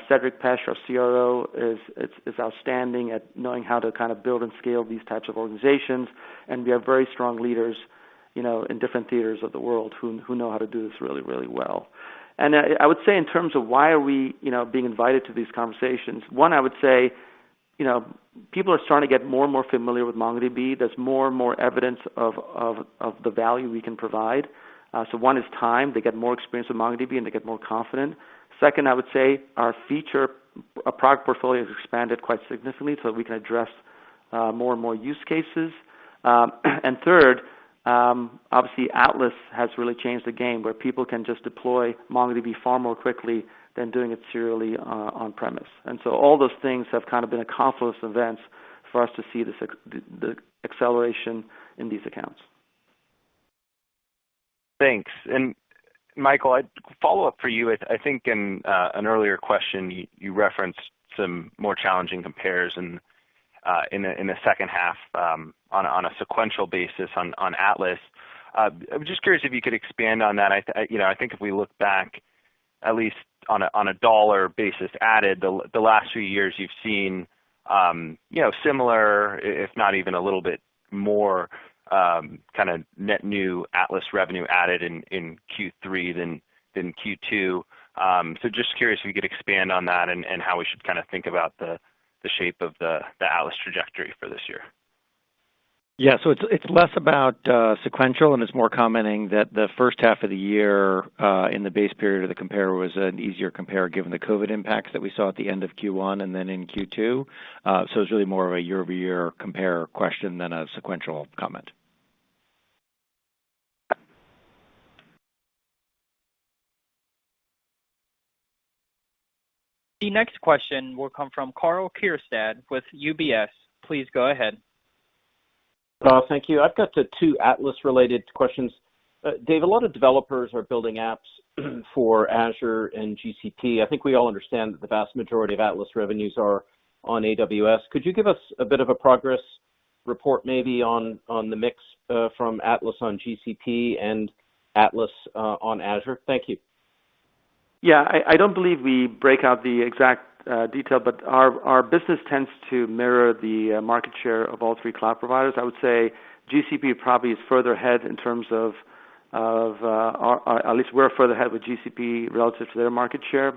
Cedric Pech, our CRO, is outstanding at knowing how to build and scale these types of organizations, and we have very strong leaders in different theaters of the world who know how to do this really, really well. I would say in terms of why are we being invited to these conversations, one, I would say, people are starting to get more and more familiar with MongoDB. There's more and more evidence of the value we can provide. One is time. They get more experience with MongoDB, and they get more confident. Second, I would say our feature, our product portfolio has expanded quite significantly, we can address more and more use cases. Third, obviously Atlas has really changed the game, where people can just deploy MongoDB far more quickly than doing it serially on-premise. All those things have kind of been a confluence of events for us to see the acceleration in these accounts. Thanks. Michael, a follow-up for you. I think in an earlier question, you referenced some more challenging compares in the second half on a sequential basis on Atlas. I'm just curious if you could expand on that. I think if we look back, at least on a dollar basis added, the last few years, you've seen similar, if not even a little bit more net new Atlas revenue added in Q3 than Q2. Just curious if you could expand on that and how we should think about the shape of the Atlas trajectory for this year. It's less about sequential, and it's more commenting that the first half of the year in the base period of the compare was an easier compare given the COVID impacts that we saw at the end of Q1 and then in Q2. It's really more of a year-over-year compare question than a sequential comment. The next question will come from Karl Keirstead with UBS. Please go ahead. Karl, thank you. I've got the two Atlas related questions. Dev, a lot of developers are building apps for Azure and GCP. I think we all understand that the vast majority of Atlas revenues are on AWS. Could you give us a bit of a progress report maybe on the mix from Atlas on GCP and Atlas on Azure? Thank you. Yeah. I don't believe we break out the exact detail, but our business tends to mirror the market share of all three cloud providers. I would say GCP probably is further ahead in terms of-- or at least we're further ahead with GCP relative to their market share.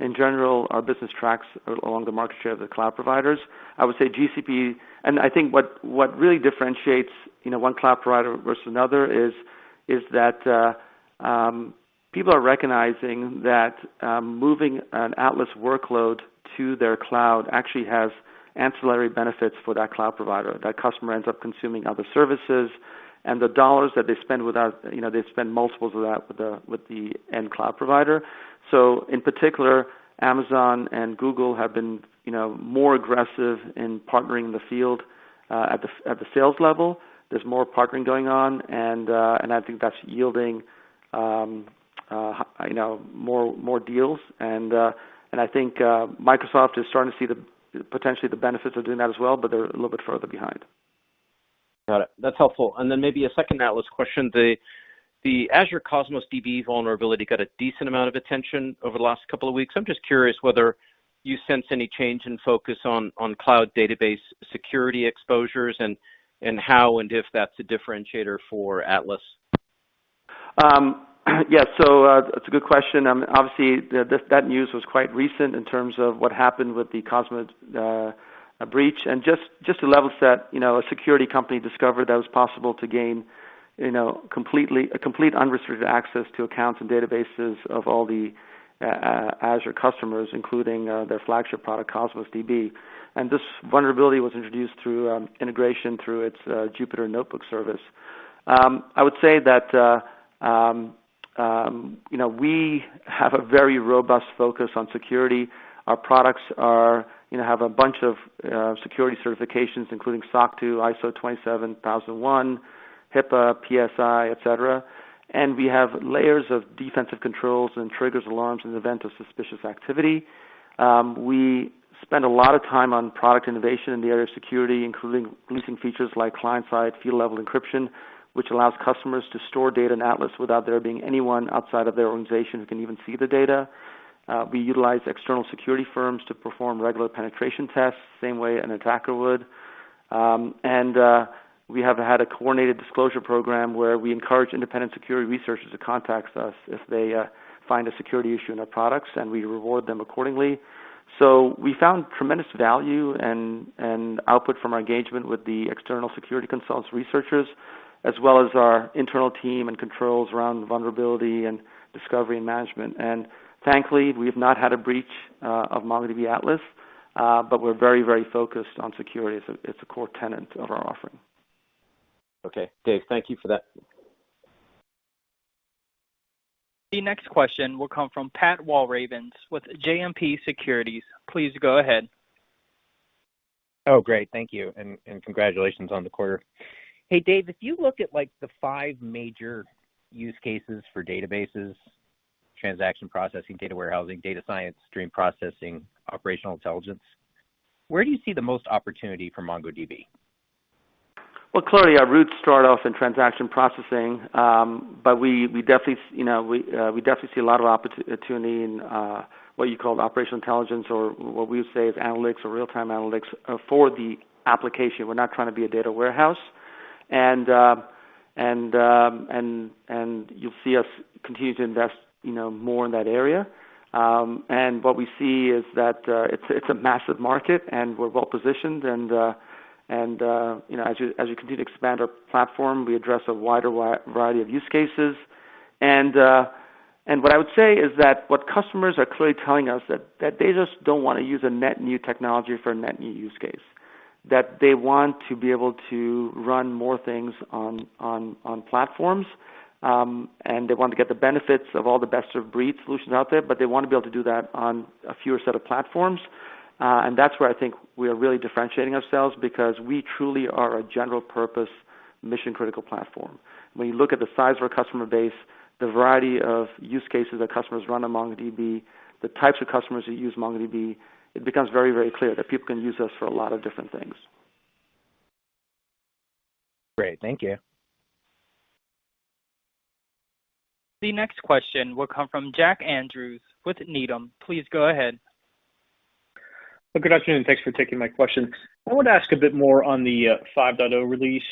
In general, our business tracks along the market share of the cloud providers. I would say GCP, and I think what really differentiates one cloud provider versus another is that people are recognizing that moving an Atlas workload to their cloud actually has ancillary benefits for that cloud provider. That customer ends up consuming other services and the dollars that they spend with us, they spend multiples of that with the end cloud provider. In particular, Amazon and Google have been more aggressive in partnering the field at the sales level. There's more partnering going on, and I think that's yielding more deals. I think Microsoft is starting to see potentially the benefits of doing that as well, but they're a little bit further behind. Got it. That's helpful. Maybe a second Atlas question. The Azure Cosmos DB vulnerability got a decent amount of attention over the last couple of weeks. I'm just curious whether you sense any change in focus on cloud database security exposures and how, and if that's a differentiator for Atlas. Yeah. That's a good question. Obviously, that news was quite recent in terms of what happened with the Cosmos breach, and just to level set, a security company discovered that it was possible to gain a complete unrestricted access to accounts and databases of all the Azure customers, including their flagship product, Cosmos DB. This vulnerability was introduced through integration through its Jupyter Notebook service. I would say that we have a very robust focus on security. Our products have a bunch of security certifications, including SOC 2, ISO 27001, HIPAA, PCI, et cetera. We have layers of defensive controls and triggers alarms in the event of suspicious activity. We spend a lot of time on product innovation in the area of security, including releasing features like client-side field level encryption, which allows customers to store data in Atlas without there being anyone outside of their organization who can even see the data. We utilize external security firms to perform regular penetration tests, same way an attacker would. We have had a coordinated disclosure program where we encourage independent security researchers to contact us if they find a security issue in our products, and we reward them accordingly. We found tremendous value and output from our engagement with the external security consultants, researchers, as well as our internal team and controls around vulnerability and discovery and management. Thankfully, we have not had a breach of MongoDB Atlas. We're very focused on security as a core tenet of our offering. Okay, Dev, thank you for that. The next question will come from Patrick Walravens with JMP Securities. Please go ahead. Oh, great. Thank you, and congratulations on the quarter. Hey, Dev, if you look at the five major use cases for databases, transaction processing, data warehousing, data science, stream processing, operational intelligence, where do you see the most opportunity for MongoDB? Well, clearly our roots start off in transaction processing. We definitely see a lot of opportunity in what you called operational intelligence or what we would say is analytics or real-time analytics for the application. We're not trying to be a data warehouse. You'll see us continue to invest more in that area. What we see is that it's a massive market, and we're well positioned. As we continue to expand our platform, we address a wider variety of use cases. What I would say is that what customers are clearly telling us that they just don't want to use a net new technology for a net new use case. That they want to be able to run more things on platforms, and they want to get the benefits of all the best-of-breed solutions out there, but they want to be able to do that on a fewer set of platforms. That's where I think we are really differentiating ourselves because we truly are a general purpose mission-critical platform. When you look at the size of our customer base, the variety of use cases that customers run on MongoDB, the types of customers that use MongoDB, it becomes very clear that people can use us for a lot of different things. Great. Thank you. The next question will come from Jack Andrews with Needham. Please go ahead. Good afternoon. Thanks for taking my question. I want to ask a bit more on the 5.0 release.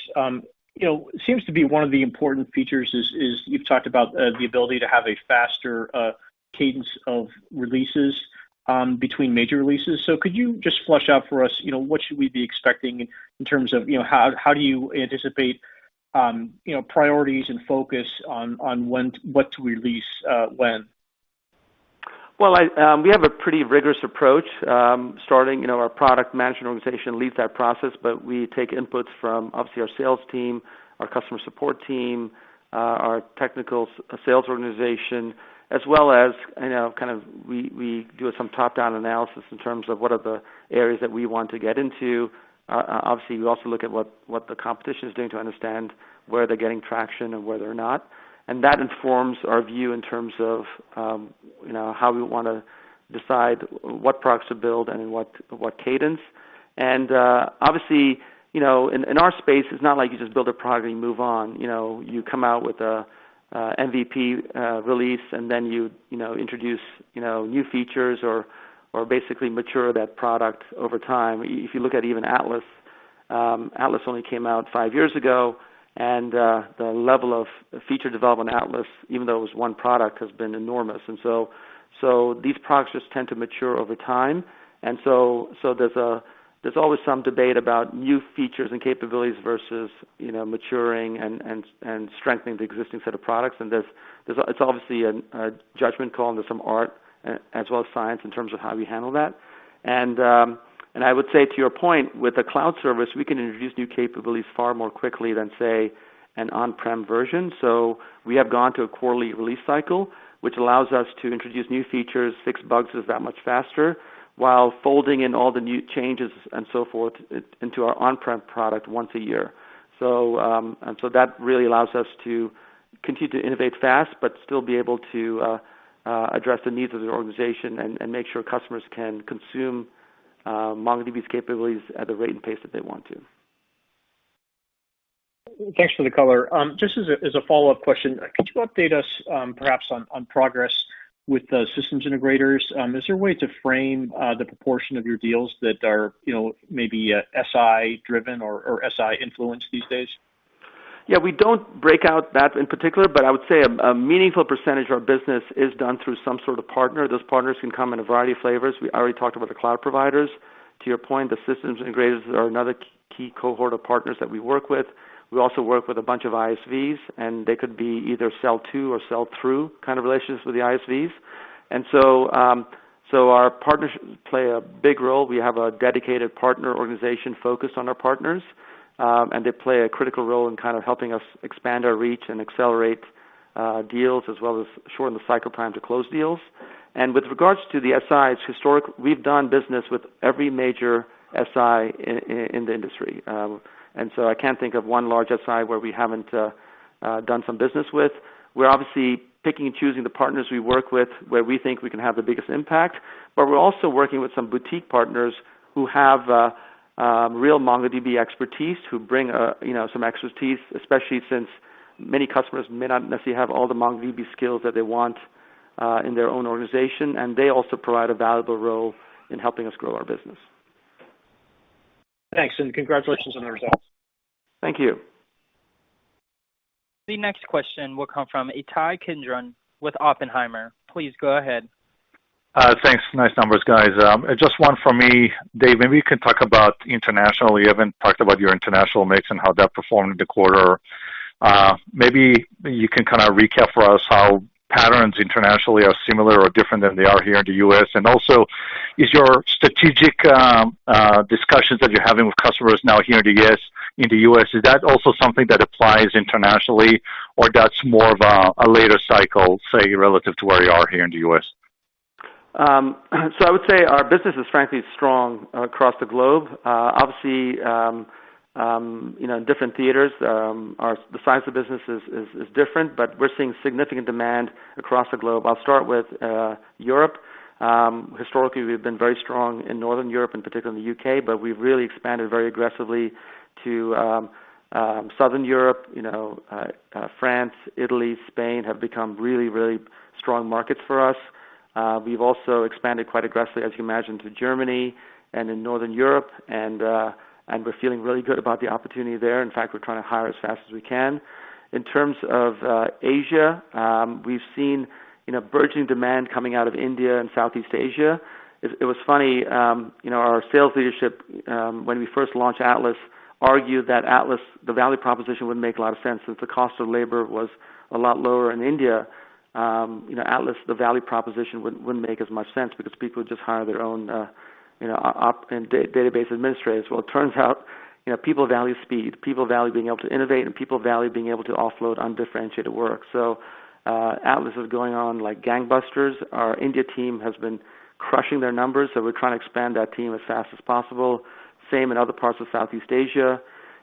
Seems to be one of the important features is, you've talked about the ability to have a faster cadence of releases between major releases. Could you just flesh out for us, what should we be expecting in terms of how do you anticipate priorities and focus on what to release when? Well, we have a pretty rigorous approach. Starting our product management organization leads that process, but we take inputs from obviously our sales team, our customer support team, our technical sales organization, as well as we do some top-down analysis in terms of what are the areas that we want to get into. We also look at what the competition is doing to understand where they're getting traction and where they're not. That informs our view in terms of how we want to decide what products to build and in what cadence. Obviously, in our space, it's not like you just build a product and you move on. You come out with a MVP release, you introduce new features or basically mature that product over time. If you look at even Atlas only came out five years ago. The level of feature development in Atlas, even though it was one product, has been enormous. These products just tend to mature over time. There's always some debate about new features and capabilities versus maturing and strengthening the existing set of products. It's obviously a judgment call, and there's some art as well as science in terms of how we handle that. I would say to your point, with a cloud service, we can introduce new capabilities far more quickly than, say, an on-prem version. We have gone to a quarterly release cycle, which allows us to introduce new features, fix bugs that much faster while folding in all the new changes and so forth into our on-prem product once a year. That really allows us to continue to innovate fast, but still be able to address the needs of the organization and make sure customers can consume MongoDB's capabilities at the rate and pace that they want to. Thanks for the color. Just as a follow-up question, could you update us perhaps on progress with the systems integrators? Is there a way to frame the proportion of your deals that are maybe SI-driven or SI-influenced these days? Yeah, we don't break out that in particular, but I would say a meaningful percentage of our business is done through some sort of partner. Those partners can come in a variety of flavors. We already talked about the cloud providers. To your point, the systems integrators are another key cohort of partners that we work with. We also work with a bunch of ISVs, and they could be either sell to or sell through kind of relationships with the ISVs. Our partners play a big role. We have a dedicated partner organization focused on our partners, and they play a critical role in kind of helping us expand our reach and accelerate deals, as well as shorten the cycle time to close deals. With regards to the SIs, historically, we've done business with every major SI in the industry. I can't think of one large SI where we haven't done some business with. We're obviously picking and choosing the partners we work with where we think we can have the biggest impact. We're also working with some boutique partners who have real MongoDB expertise, who bring some expertise, especially since many customers may not necessarily have all the MongoDB skills that they want in their own organization. They also provide a valuable role in helping us grow our business. Thanks, congratulations on the results. Thank you. The next question will come from Ittai Kidron with Oppenheimer. Please go ahead. Thanks. Nice numbers, guys. Just one for me. Dev, maybe you can talk about international. You haven't talked about your international mix and how that performed in the quarter. Maybe you can kind of recap for us how patterns internationally are similar or different than they are here in the U.S. Also, is your strategic discussions that you're having with customers now here in the U.S., is that also something that applies internationally or that's more of a later cycle, say, relative to where you are here in the U.S.? I would say our business is frankly strong across the globe. Obviously, in different theaters, the size of business is different, but we're seeing significant demand across the globe. I'll start with Europe. Historically, we've been very strong in Northern Europe, and particularly in the U.K., but we've really expanded very aggressively to Southern Europe. France, Italy, Spain have become really, really strong markets for us. We've also expanded quite aggressively, as you imagine, to Germany and in Northern Europe. We're feeling really good about the opportunity there. In fact, we're trying to hire as fast as we can. In terms of Asia, we've seen burgeoning demand coming out of India and Southeast Asia. It was funny, our sales leadership, when we first launched Atlas, argued that Atlas, the value proposition wouldn't make a lot of sense since the cost of labor was a lot lower in India. Atlas, the value proposition wouldn't make as much sense because people would just hire their own op and database administrators. Well, it turns out people value speed. People value being able to innovate, and people value being able to offload undifferentiated work. Atlas is going on like gangbusters. Our India team has been crushing their numbers, we're trying to expand that team as fast as possible. Same in other parts of Southeast Asia.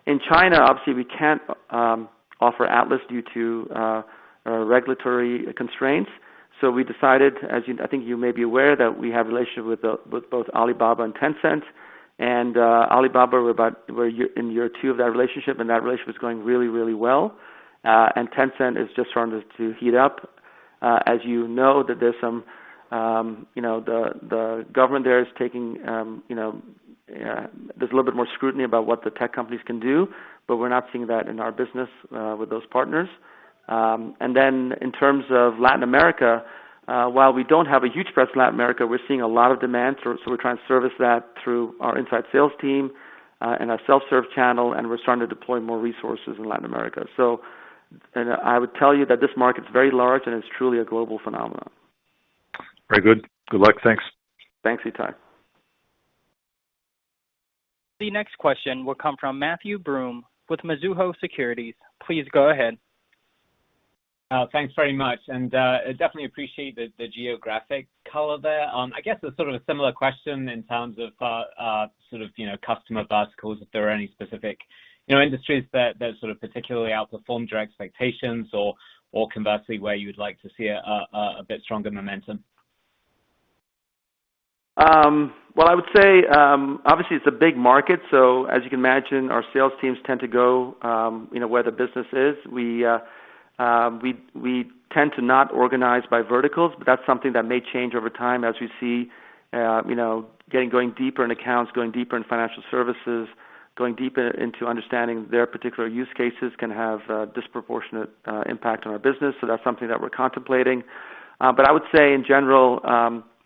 In China, obviously, we can't offer Atlas due to regulatory constraints. We decided, I think you may be aware, that we have relationship with both Alibaba and Tencent. Alibaba, we're in year two of that relationship, and that relationship is going really, really well. Tencent is just starting to heat up. As you know, the government there's a little bit more scrutiny about what the tech companies can do. We're not seeing that in our business with those partners. In terms of Latin America, while we don't have a huge presence in Latin America, we're seeing a lot of demand. We're trying to service that through our inside sales team, and our self-serve channel, and we're starting to deploy more resources in Latin America. I would tell you that this market's very large, and it's truly a global phenomenon. Very good. Good luck. Thanks. Thanks, Ittai. The next question will come from Matthew Broome with Mizuho Securities. Please go ahead. Thanks very much, and definitely appreciate the geographic color there. I guess it's sort of a similar question in terms of customer verticals, if there are any specific industries that sort of particularly outperformed your expectations or conversely, where you would like to see a bit stronger momentum? Well, I would say, obviously it's a big market. As you can imagine, our sales teams tend to go where the business is. We tend to not organize by verticals. That's something that may change over time as we see going deeper into accounts, going deeper into financial services, going deeper into understanding their particular use cases can have a disproportionate impact on our business. That's something that we're contemplating. I would say in general,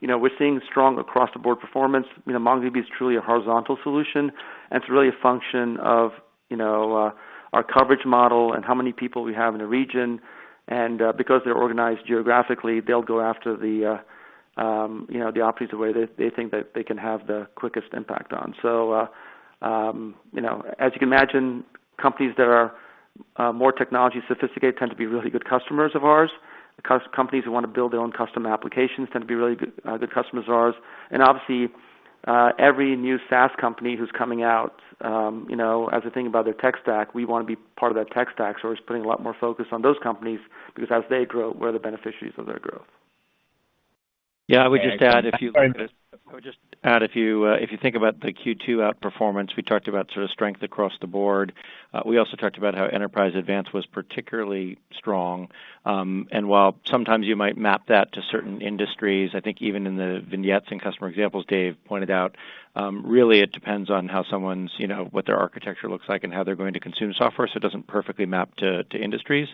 we're seeing strong across the board performance. MongoDB is truly a horizontal solution. It's really a function of our coverage model and how many people we have in a region. Because they're organized geographically, they'll go after the opportunities where they think that they can have the quickest impact on. As you can imagine, companies that are more technology-sophisticated tend to be really good customers of ours, companies who want to build their own custom applications tend to be really good customers of ours. Obviously, every new SaaS company who's coming out, as they're thinking about their tech stack, we want to be part of that tech stack. We're just putting a lot more focus on those companies because as they grow, we're the beneficiaries of their growth. Yeah, I would just add if you think about the Q2 outperformance, we talked about sort of strength across the board. We also talked about how Enterprise Advanced was particularly strong. While sometimes you might map that to certain industries, I think even in the vignettes and customer examples Dev pointed out, really it depends on what their architecture looks like and how they're going to consume software, so it doesn't perfectly map to industries.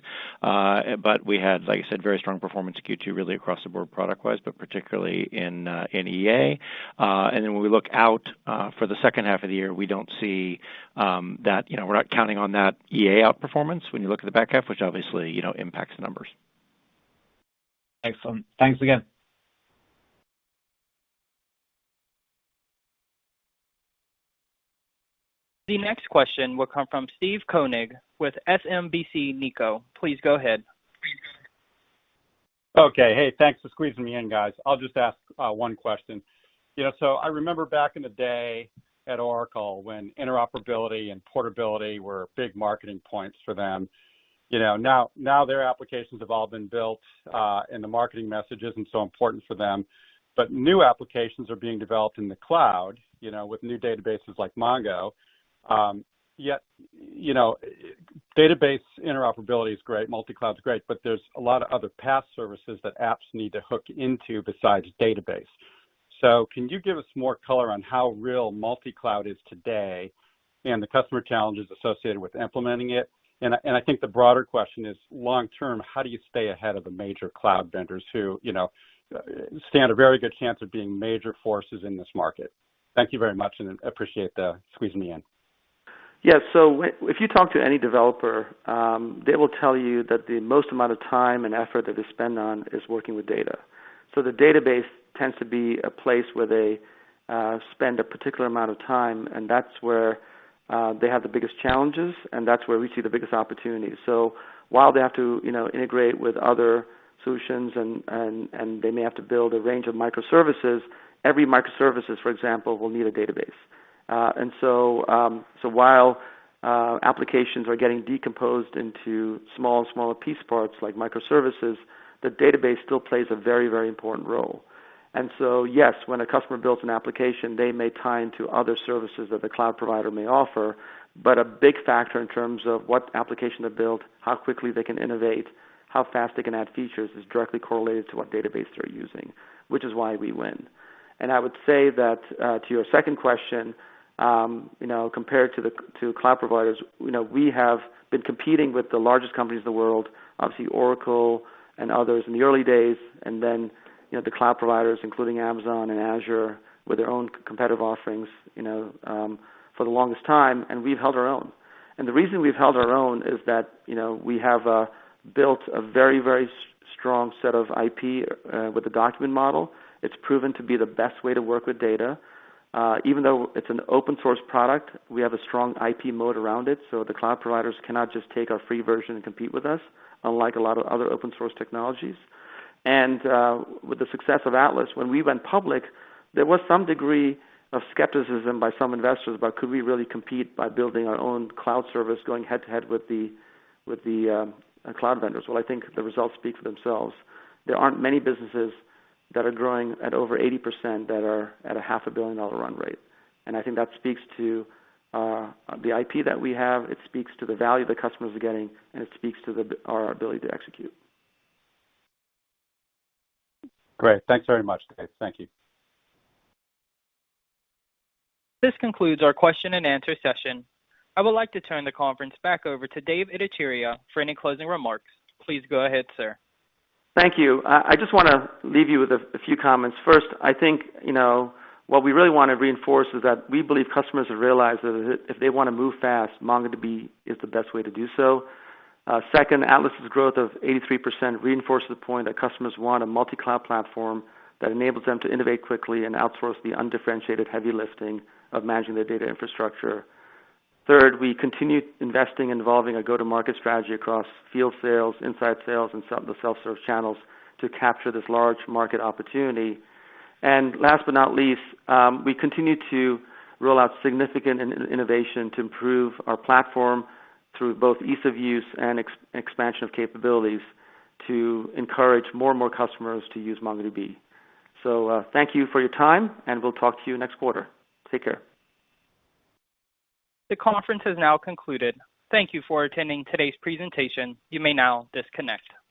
We had, like you said, very strong performance in Q2, really across the board product-wise, but particularly in EA. When we look out for the second half of the year, we're not counting on that EA outperformance when you look at the back half, which obviously impacts the numbers. Excellent. Thanks again. The next question will come from Steve Koenig with SMBC Nikko. Please go ahead. Hey, thanks for squeezing me in, guys. I'll just ask one question. I remember back in the day at Oracle when interoperability and portability were big marketing points for them. Now their applications have all been built, and the marketing message isn't so important for them. New applications are being developed in the cloud, with new databases like Mongo. Database interoperability is great, multi-cloud is great, but there's a lot of other PaaS services that apps need to hook into besides database. Can you give us more color on how real multi-cloud is today and the customer challenges associated with implementing it? I think the broader question is, long-term, how do you stay ahead of the major cloud vendors who stand a very good chance of being major forces in this market? Thank you very much, and appreciate the squeezing me in. Yeah. If you talk to any developer, they will tell you that the most amount of time and effort that they spend on is working with data. The database tends to be a place where they spend a particular amount of time, and that's where they have the biggest challenges, and that's where we see the biggest opportunities. While they have to integrate with other solutions and they may have to build a range of microservices, every microservices, for example, will need a database. While applications are getting decomposed into small and smaller piece parts like microservices, the database still plays a very, very important role. Yes, when a customer builds an application, they may tie into other services that the cloud provider may offer, but a big factor in terms of what application they build, how quickly they can innovate, how fast they can add features, is directly correlated to what database they're using, which is why we win. I would say that, to your second question, compared to cloud providers, we have been competing with the largest companies in the world, obviously Oracle and others in the early days, and then the cloud providers, including Amazon and Azure, with their own competitive offerings, for the longest time, and we've held our own. The reason we've held our own is that we have built a very, very strong set of IP with the document model. It's proven to be the best way to work with data. Even though it's an open source product, we have a strong IP moat around it, so the cloud providers cannot just take our free version and compete with us, unlike a lot of other open source technologies. With the success of Atlas, when we went public, there was some degree of skepticism by some investors about could we really compete by building our own cloud service, going head-to-head with the cloud vendors? Well, I think the results speak for themselves. There aren't many businesses that are growing at over 80% that are at a half a billion dollar run rate. I think that speaks to the IP that we have, it speaks to the value the customers are getting, and it speaks to our ability to execute. Great. Thanks very much, guys. Thank you. This concludes our question and answer session. I would like to turn the conference back over to Dev Ittycheria for any closing remarks. Please go ahead, sir. Thank you. I just want to leave you with a few comments. First, I think what we really want to reinforce is that we believe customers have realized that if they want to move fast, MongoDB is the best way to do so. Second, Atlas's growth of 83% reinforces the point that customers want a multi-cloud platform that enables them to innovate quickly and outsource the undifferentiated heavy lifting of managing their data infrastructure. Third, we continue investing in evolving a go-to-market strategy across field sales, inside sales, and the self-service channels to capture this large market opportunity. Last but not least, we continue to roll out significant innovation to improve our platform through both ease of use and expansion of capabilities to encourage more and more customers to use MongoDB. Thank you for your time, and we'll talk to you next quarter. Take care. The conference has now concluded. Thank you for attending today's presentation. You may now disconnect.